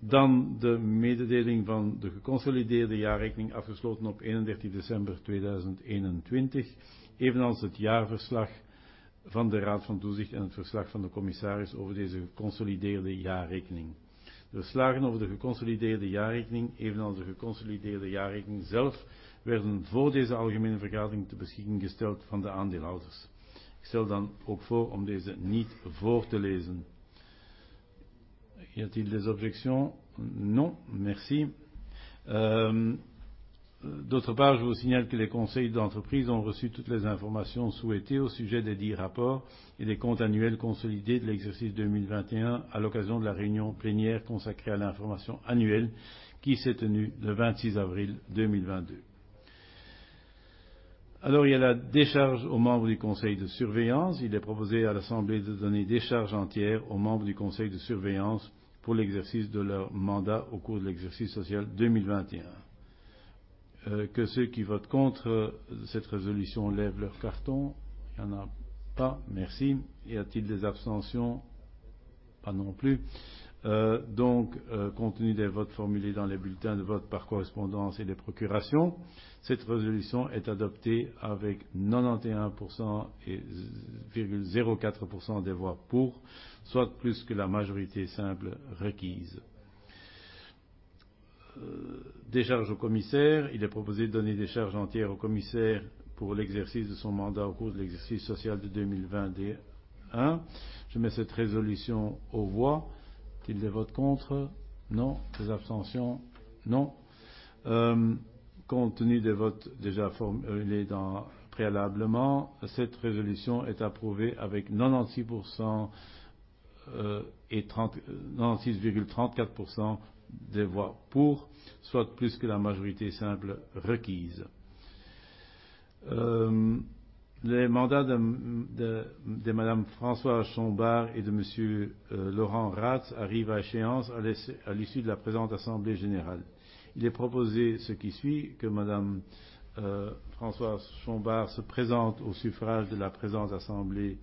Dan de mededeling van de geconsolideerde jaarrekening, afgesloten op 31 December 2021, evenals het jaarverslag van de raad van toezicht en het verslag van de commissaris over deze geconsolideerde jaarrekening. De verslagen over de geconsolideerde jaarrekening, evenals de geconsolideerde jaarrekening zelf, werden voor deze algemene vergadering ter beschikking gesteld van de aandeelhouders. Ik stel dan ook voor om deze niet voor te lezen. Y a-t-il des objections? Non. Merci. D'autre part, je vous signale que les conseils d'entreprise ont reçu toutes les informations souhaitées au sujet desdits rapports et les comptes annuels consolidés de l'exercice 2021 à l'occasion de la réunion plénière consacrée à l'information annuelle qui s'est tenue le 26 avril 2022. Alors, il y a la décharge aux membres du conseil de surveillance. Il est proposé à l'assemblée de donner décharge entière aux membres du conseil de surveillance pour l'exercice de leur mandat au cours de l'exercice social 2021. Que ceux qui votent contre cette résolution lèvent leur carton. Il y en a pas. Merci. Y a-t-il des abstentions? Pas non plus. Donc, compte tenu des votes formulés dans les bulletins de vote par correspondance et des procurations, cette résolution est adoptée avec 91.04% des voix pour, soit plus que la majorité simple requise. Décharge au commissaire. Il est proposé de donner décharge entière au commissaire pour l'exercice de son mandat au cours de l'exercice social de 2021. Je mets cette résolution aux voix. Est-ce qu'il y a des votes contre? Non. Des abstentions? Non. Compte tenu des votes déjà formulés préalablement, cette résolution est approuvée avec 96%, 96.34% des voix pour, soit plus que la majorité simple requise. Les mandats de Madame Françoise Chombar et de Monsieur Laurent Raets arrivent à échéance à l'issue de la présente assemblée générale. Il est proposé ce qui suit que Madame Françoise Chombar se présente au suffrage de la présente assemblée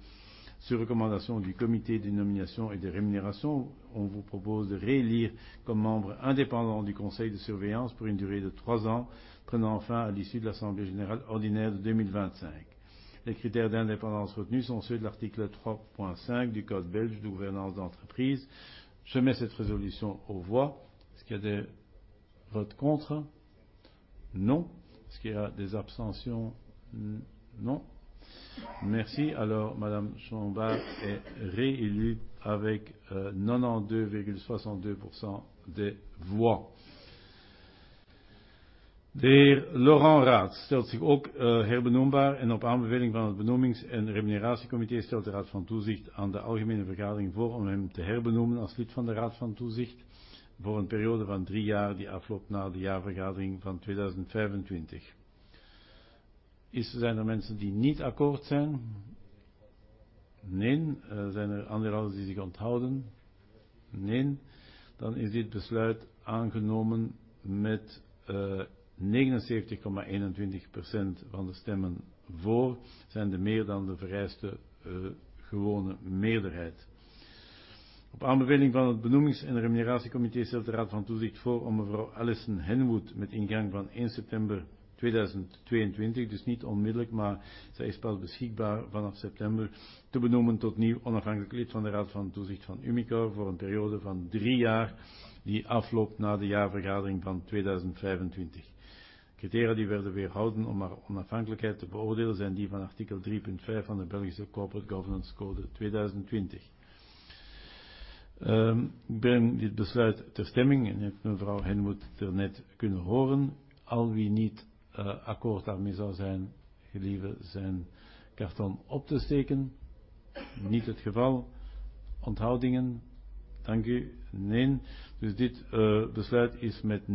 sur recommandation du comité des nominations et des rémunérations. On vous propose de réélire comme membre indépendant du conseil de surveillance pour une durée de 3 ans prenant fin à l'issue de l'assemblée générale ordinaire de 2025. Les critères d'indépendance retenus sont ceux de l'article 3.5 du Code belge de gouvernance d'entreprise. Je mets cette résolution aux voix. Est-ce qu'il y a des votes contre? Non. Est-ce qu'il y a des abstentions? Non. Merci. Alors Madame Chombar est réélue avec 92.62% des voix. De heer Laurent Raets stelt zich ook herbenoembaar en op aanbeveling van het benoemings- en remuneratiecomité stelt de raad van toezicht aan de algemene vergadering voor om hem te herbenoemen als lid van de raad van toezicht voor een periode van 3 jaar die afloopt na de jaarvergadering van 2025. Zijn er mensen die niet akkoord zijn? Neen. Zijn er aandeelhouders die zich onthouden? Neen. Dit besluit aangenomen met 79.21% van de stemmen voor, zijnde meer dan de vereiste gewone meerderheid. Op aanbeveling van het benoemings- en remuneratiecomité stelt de raad van toezicht voor om mevrouw Alison Henwood met ingang van 1 september 2022, dus niet onmiddellijk, maar zij is pas beschikbaar vanaf september, te benoemen tot nieuw onafhankelijk lid van de raad van toezicht van Umicore voor een periode van 3 jaar die afloopt na de jaarvergadering van 2025. Criteria die werden weerhouden om haar onafhankelijkheid te beoordelen, zijn die van artikel 3.5 van de Belgische Corporate Governance Code 2020. Ik breng dit besluit ter stemming en heeft mevrouw Henwood daarnet kunnen horen. Al wie niet akkoord daarmee zou zijn, gelieve zijn hand op te steken. Niet het geval. Onthoudingen? Dank u. Neen. Dit besluit is met 99.76%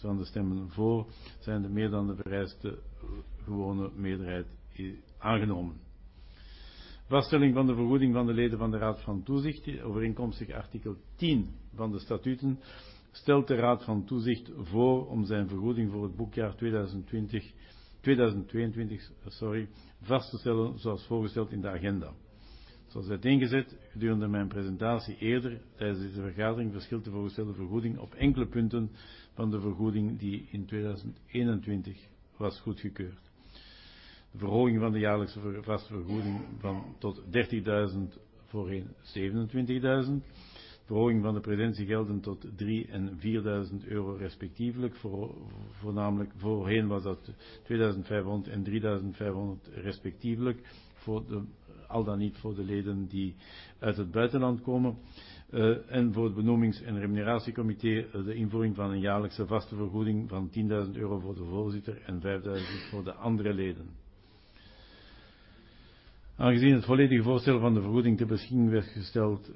van de stemmen voor, zijnde meer dan de vereiste gewone meerderheid, aangenomen. Vaststelling van de vergoeding van de leden van de raad van toezicht. Overeenkomstig artikel 10 van de statuten stelt de raad van toezicht voor om zijn vergoeding voor het boekjaar 2020-2022, sorry, vast te stellen zoals voorgesteld in de agenda. Zoals uiteengezet gedurende mijn presentatie eerder tijdens deze vergadering, verschilt de voorgestelde vergoeding op enkele punten van de vergoeding die in 2021 was goedgekeurd. Verhoging van de jaarlijkse vaste vergoeding tot EUR 30,000, voorheen EUR 27,000. Verhoging van de presentiegelden tot 3,000 en 4,000 euro respectievelijk voor, voornamelijk voorheen was dat 2,500 en 3,500 respectievelijk voor de, al dan niet voor de leden die uit het buitenland komen. Voor het benoemings- en remuneratiecomité, de invoering van een jaarlijkse vaste vergoeding van 10,000 euro voor de voorzitter en 5,000 EUR voor de andere leden. Aangezien het volledige voorstel van de vergoeding ter beschikking werd gesteld,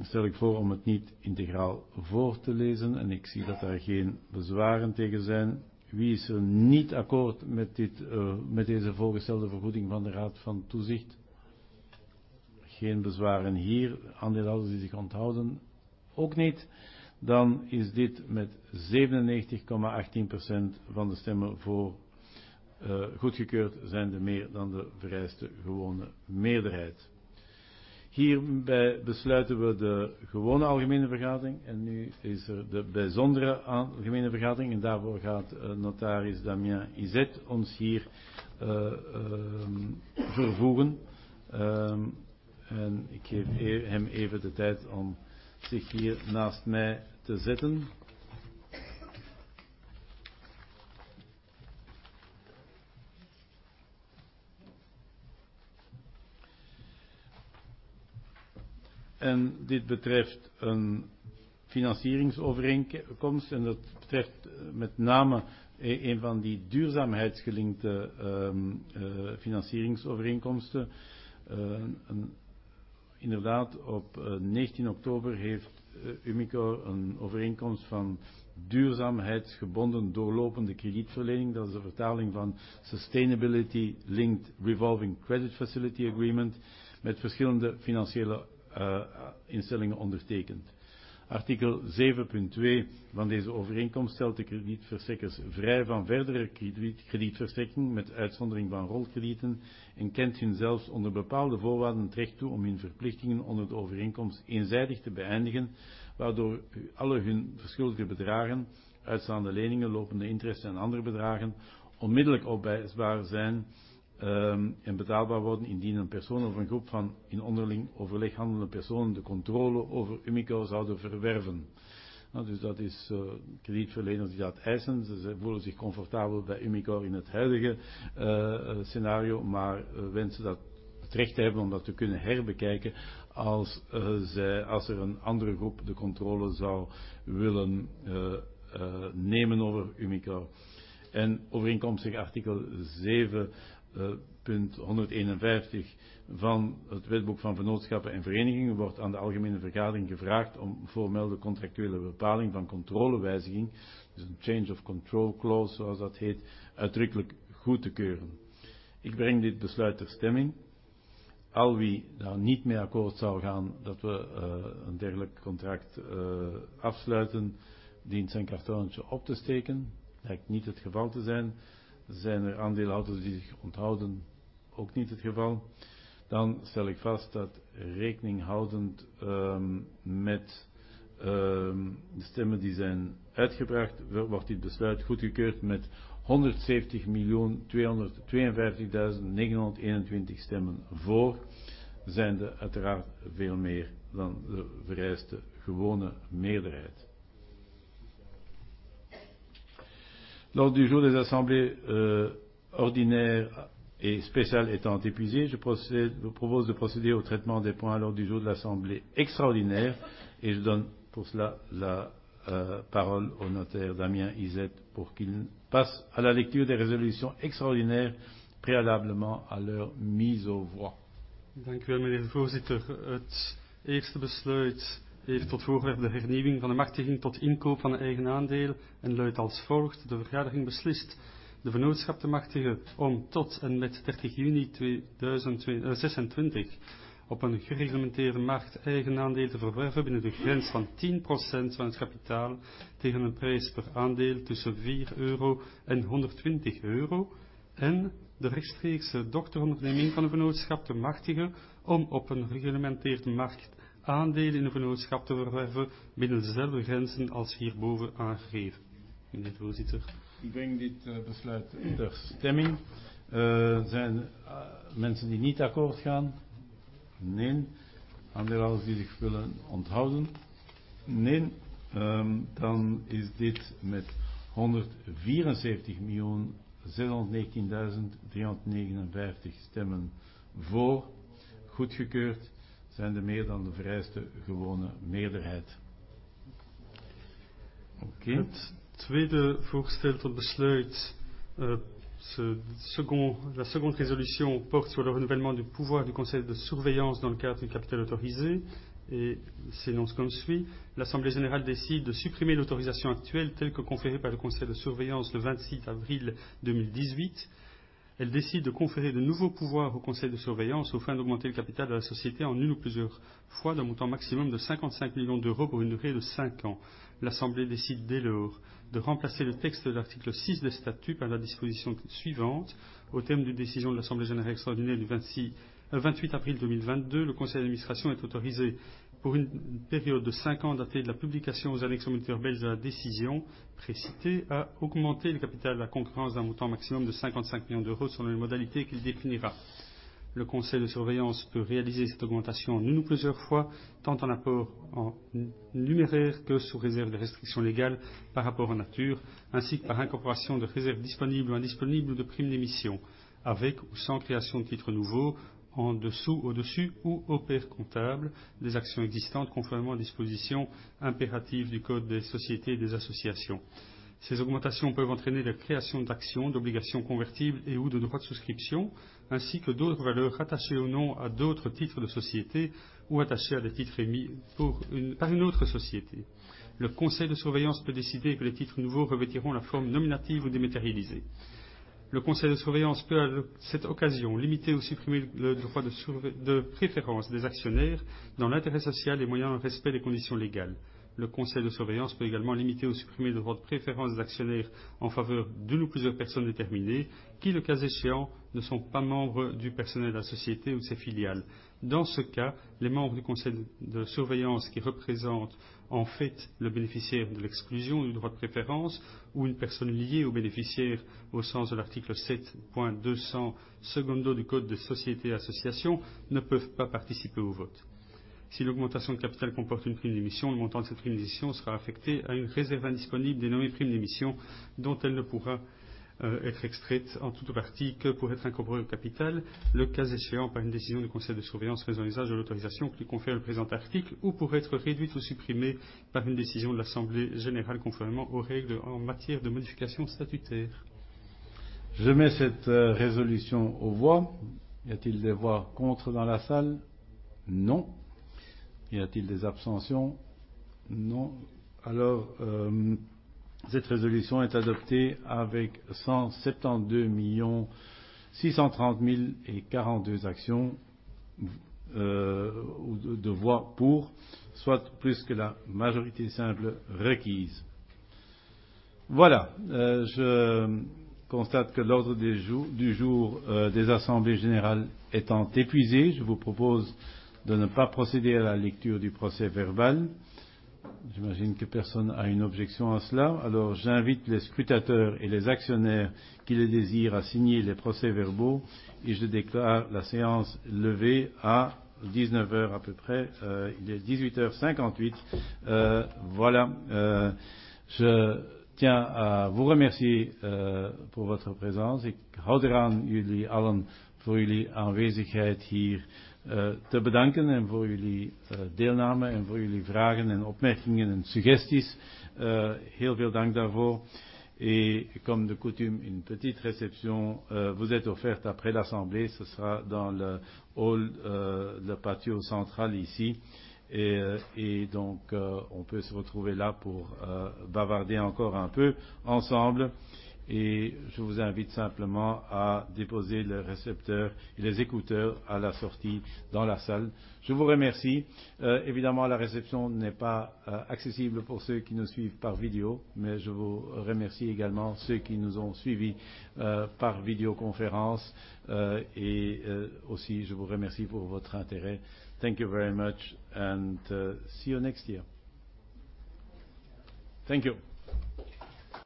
stel ik voor om het niet integraal voor te lezen en ik zie dat daar geen bezwaren tegen zijn. Wie is er niet akkoord met dit, met deze voorgestelde vergoeding van de raad van toezicht? Geen bezwaren hier. Aandeelhouders die zich onthouden? Ook niet. Dan is dit met 97.18% van de stemmen voor, goedgekeurd, zijnde meer dan de vereiste gewone meerderheid. Hierbij besluiten we de gewone algemene vergadering en nu is er de bijzondere algemene vergadering en daarvoor gaat notaris Damien Hisette ons hier vervoegen. Ik geef hem even de tijd om zich hier naast mij te zetten. Dit betreft een financieringsovereenkomst en dat betreft met name een van die duurzaamheidsgelinkte financieringsovereenkomsten. Inderdaad, op 19 oktober heeft Umicore een overeenkomst van duurzaamheidsgebonden doorlopende kredietverlening, dat is de vertaling van Sustainability-Linked Revolving Credit Facility Agreement, met verschillende financiële instellingen ondertekend. Artikel zeven punt twee van deze overeenkomst stelt de kredietverstrekkers vrij van verdere kredietverstrekking, met uitzondering van roodkredieten, en kent hun zelfs onder bepaalde voorwaarden het recht toe om hun verplichtingen onder de overeenkomst eenzijdig te beëindigen, waardoor al hun verschuldigde bedragen, uitstaande leningen, lopende rente en andere bedragen onmiddellijk opeisbaar zijn en betaalbaar worden indien een persoon of een groep van in onderling overleg handelende personen de controle over Umicore zouden verwerven. Nou, dus dat is kredietverleners die dat eisen. Zij voelen zich comfortabel bij Umicore in het huidige scenario, maar wensen dat het recht te hebben om dat te kunnen herbekijken als zij, als er een andere groep de controle zou willen nemen over Umicore. Overeenkomstig artikel 7:151 van het Wetboek van Vennootschappen en Verenigingen wordt aan de algemene vergadering gevraagd om voormelde contractuele bepaling van controlewijziging, dus een change of control clause, zoals dat heet, uitdrukkelijk goed te keuren. Ik breng dit besluit ter stemming. Al wie daar niet mee akkoord zou gaan dat we een dergelijk contract afsluiten, dient zijn kartonnetje op te steken. Lijkt niet het geval te zijn. Zijn er aandeelhouders die zich onthouden? Ook niet het geval. Dan stel ik vast dat rekeninghoudend met de stemmen die zijn uitgebracht wordt dit besluit goedgekeurd met 170,252,921 stemmen voor. Zijnde uiteraard veel meer dan de vereiste gewone meerderheid. L'ordre du jour des assemblées ordinaire et spéciale étant épuisé, je vous propose de procéder au traitement des points à l'ordre du jour de l'assemblée extraordinaire et je donne pour cela la parole au notaire Damien Hisette pour qu'il passe à la lecture des résolutions extraordinaires préalablement à leur mise aux voix. Dank u wel, meneer de voorzitter. Het eerste besluit heeft tot voorwerp de hernieuwing van de machtiging tot inkoop van eigen aandelen en luidt als volgt. De vergadering beslist de vennootschap te machtigen om tot en met 30 juni 2026 op een gereglementeerde markt eigenaandelen te verwerven binnen de grens van 10% van het kapitaal tegen een prijs per aandeel tussen 4 euro en 120 euro. De rechtstreekse dochteronderneming van de vennootschap te machtigen om op een gereglementeerde markt aandelen in de vennootschap te verwerven binnen dezelfde grenzen als hierboven aangegeven. Meneer de voorzitter. Ik breng dit besluit ter stemming. Zijn mensen die niet akkoord gaan? Neen. Aandeelhouders die zich willen onthouden? Neen. Dan is dit met 174,619,359 stemmen voor goedgekeurd, zijnde meer dan de vereiste gewone meerderheid. Oké. Het tweede voorgestelde besluit, la seconde résolution porte sur le renouvellement du pouvoir du conseil de surveillance dans le cadre du capital autorisé et s'énonce comme suit: l'assemblée générale décide de supprimer l'autorisation actuelle telle que conférée par le conseil de surveillance le 26 avril 2018. Elle décide de conférer de nouveaux pouvoirs au conseil de surveillance aux fins d'augmenter le capital de la société en une ou plusieurs fois d'un montant maximum de 55 million pour une durée de 5 ans. L'assemblée décide dès lors de remplacer le texte de l'article six des statuts par la disposition suivante: au terme d'une décision de l'assemblée générale extraordinaire du 28 April 2022, le conseil d'administration est autorisé, pour une période de 5 ans datée de la publication au Moniteur belge de la décision précitée, à augmenter le capital de la société d'un montant maximum de 55 million selon les modalités qu'il définira. Le conseil de surveillance peut réaliser cette augmentation en une ou plusieurs fois, tant en apport en numéraire que sous réserve des restrictions légales par apport en nature, ainsi que par incorporation de réserves disponibles ou indisponibles, ou de prime d'émission, avec ou sans création de titres nouveaux, en dessous, au-dessus ou au pair comptable des actions existantes, conformément aux dispositions impératives du code des sociétés et des associations. Ces augmentations peuvent entraîner la création d'actions, d'obligations convertibles et/ou de droits de souscription, ainsi que d'autres valeurs rattachées ou non à d'autres titres de société ou attachées à des titres émis par une autre société. Le conseil de surveillance peut décider que les titres nouveaux revêtiront la forme nominative ou dématérialisée. Le conseil de surveillance peut à cette occasion limiter ou supprimer le droit de préférence des actionnaires dans l'intérêt social et moyennant le respect des conditions légales. Le conseil de surveillance peut également limiter ou supprimer le droit de préférence des actionnaires en faveur d'une ou plusieurs personnes déterminées qui, le cas échéant, ne sont pas membres du personnel de la société ou ses filiales. Dans ce cas, les membres du conseil de surveillance qui représentent en fait le bénéficiaire de l'exclusion du droit de préférence ou une personne liée au bénéficiaire au sens de l'article 7:220 du Code des sociétés et des associations ne peuvent pas participer au vote. Si l'augmentation de capital comporte une prime d'émission, le montant de cette prime d'émission sera affecté à une réserve indisponible dénommée prime d'émission, dont elle ne pourra être extraite en tout ou partie que pour être incorporée au capital, le cas échéant par une décision du conseil de surveillance faisant usage de l'autorisation que lui confère le présent article, ou pour être réduite ou supprimée par une décision de l'assemblée générale, conformément aux règles en matière de modification statutaire. Je mets cette résolution aux voix. Y a-t-il des voix contre dans la salle? Non. Y a-t-il des abstentions? Non. Alors, cette résolution est adoptée avec 172,630,042 actions de voix pour, soit plus que la majorité simple requise. Voilà, je constate que l'ordre du jour des assemblées générales étant épuisé, je vous propose de ne pas procéder à la lecture du procès-verbal. J'imagine que personne n'a une objection à cela. Alors j'invite les scrutateurs et les actionnaires qui le désirent à signer les procès-verbaux et je déclare la séance levée à 7:00 P.M. à peu près. Il est 6:58 P.M. Voilà, je tiens à vous remercier pour votre présence. Ik hou eraan jullie allen voor jullie aanwezigheid hier te bedanken en voor jullie deelname en voor jullie vragen en opmerkingen en suggesties. Heel veel dank daarvoor. Comme de coutume, une petite réception vous est offerte après l'assemblée. Ce sera dans le hall, le patio central ici. Donc, on peut se retrouver là pour bavarder encore un peu ensemble. Je vous invite simplement à déposer les récepteurs et les écouteurs à la sortie dans la salle. Je vous remercie. Évidemment, la réception n'est pas accessible pour ceux qui nous suivent par vidéo, mais je vous remercie également ceux qui nous ont suivis par vidéoconférence. Aussi, je vous remercie pour votre intérêt. Thank you very much and see you next year. Thank you.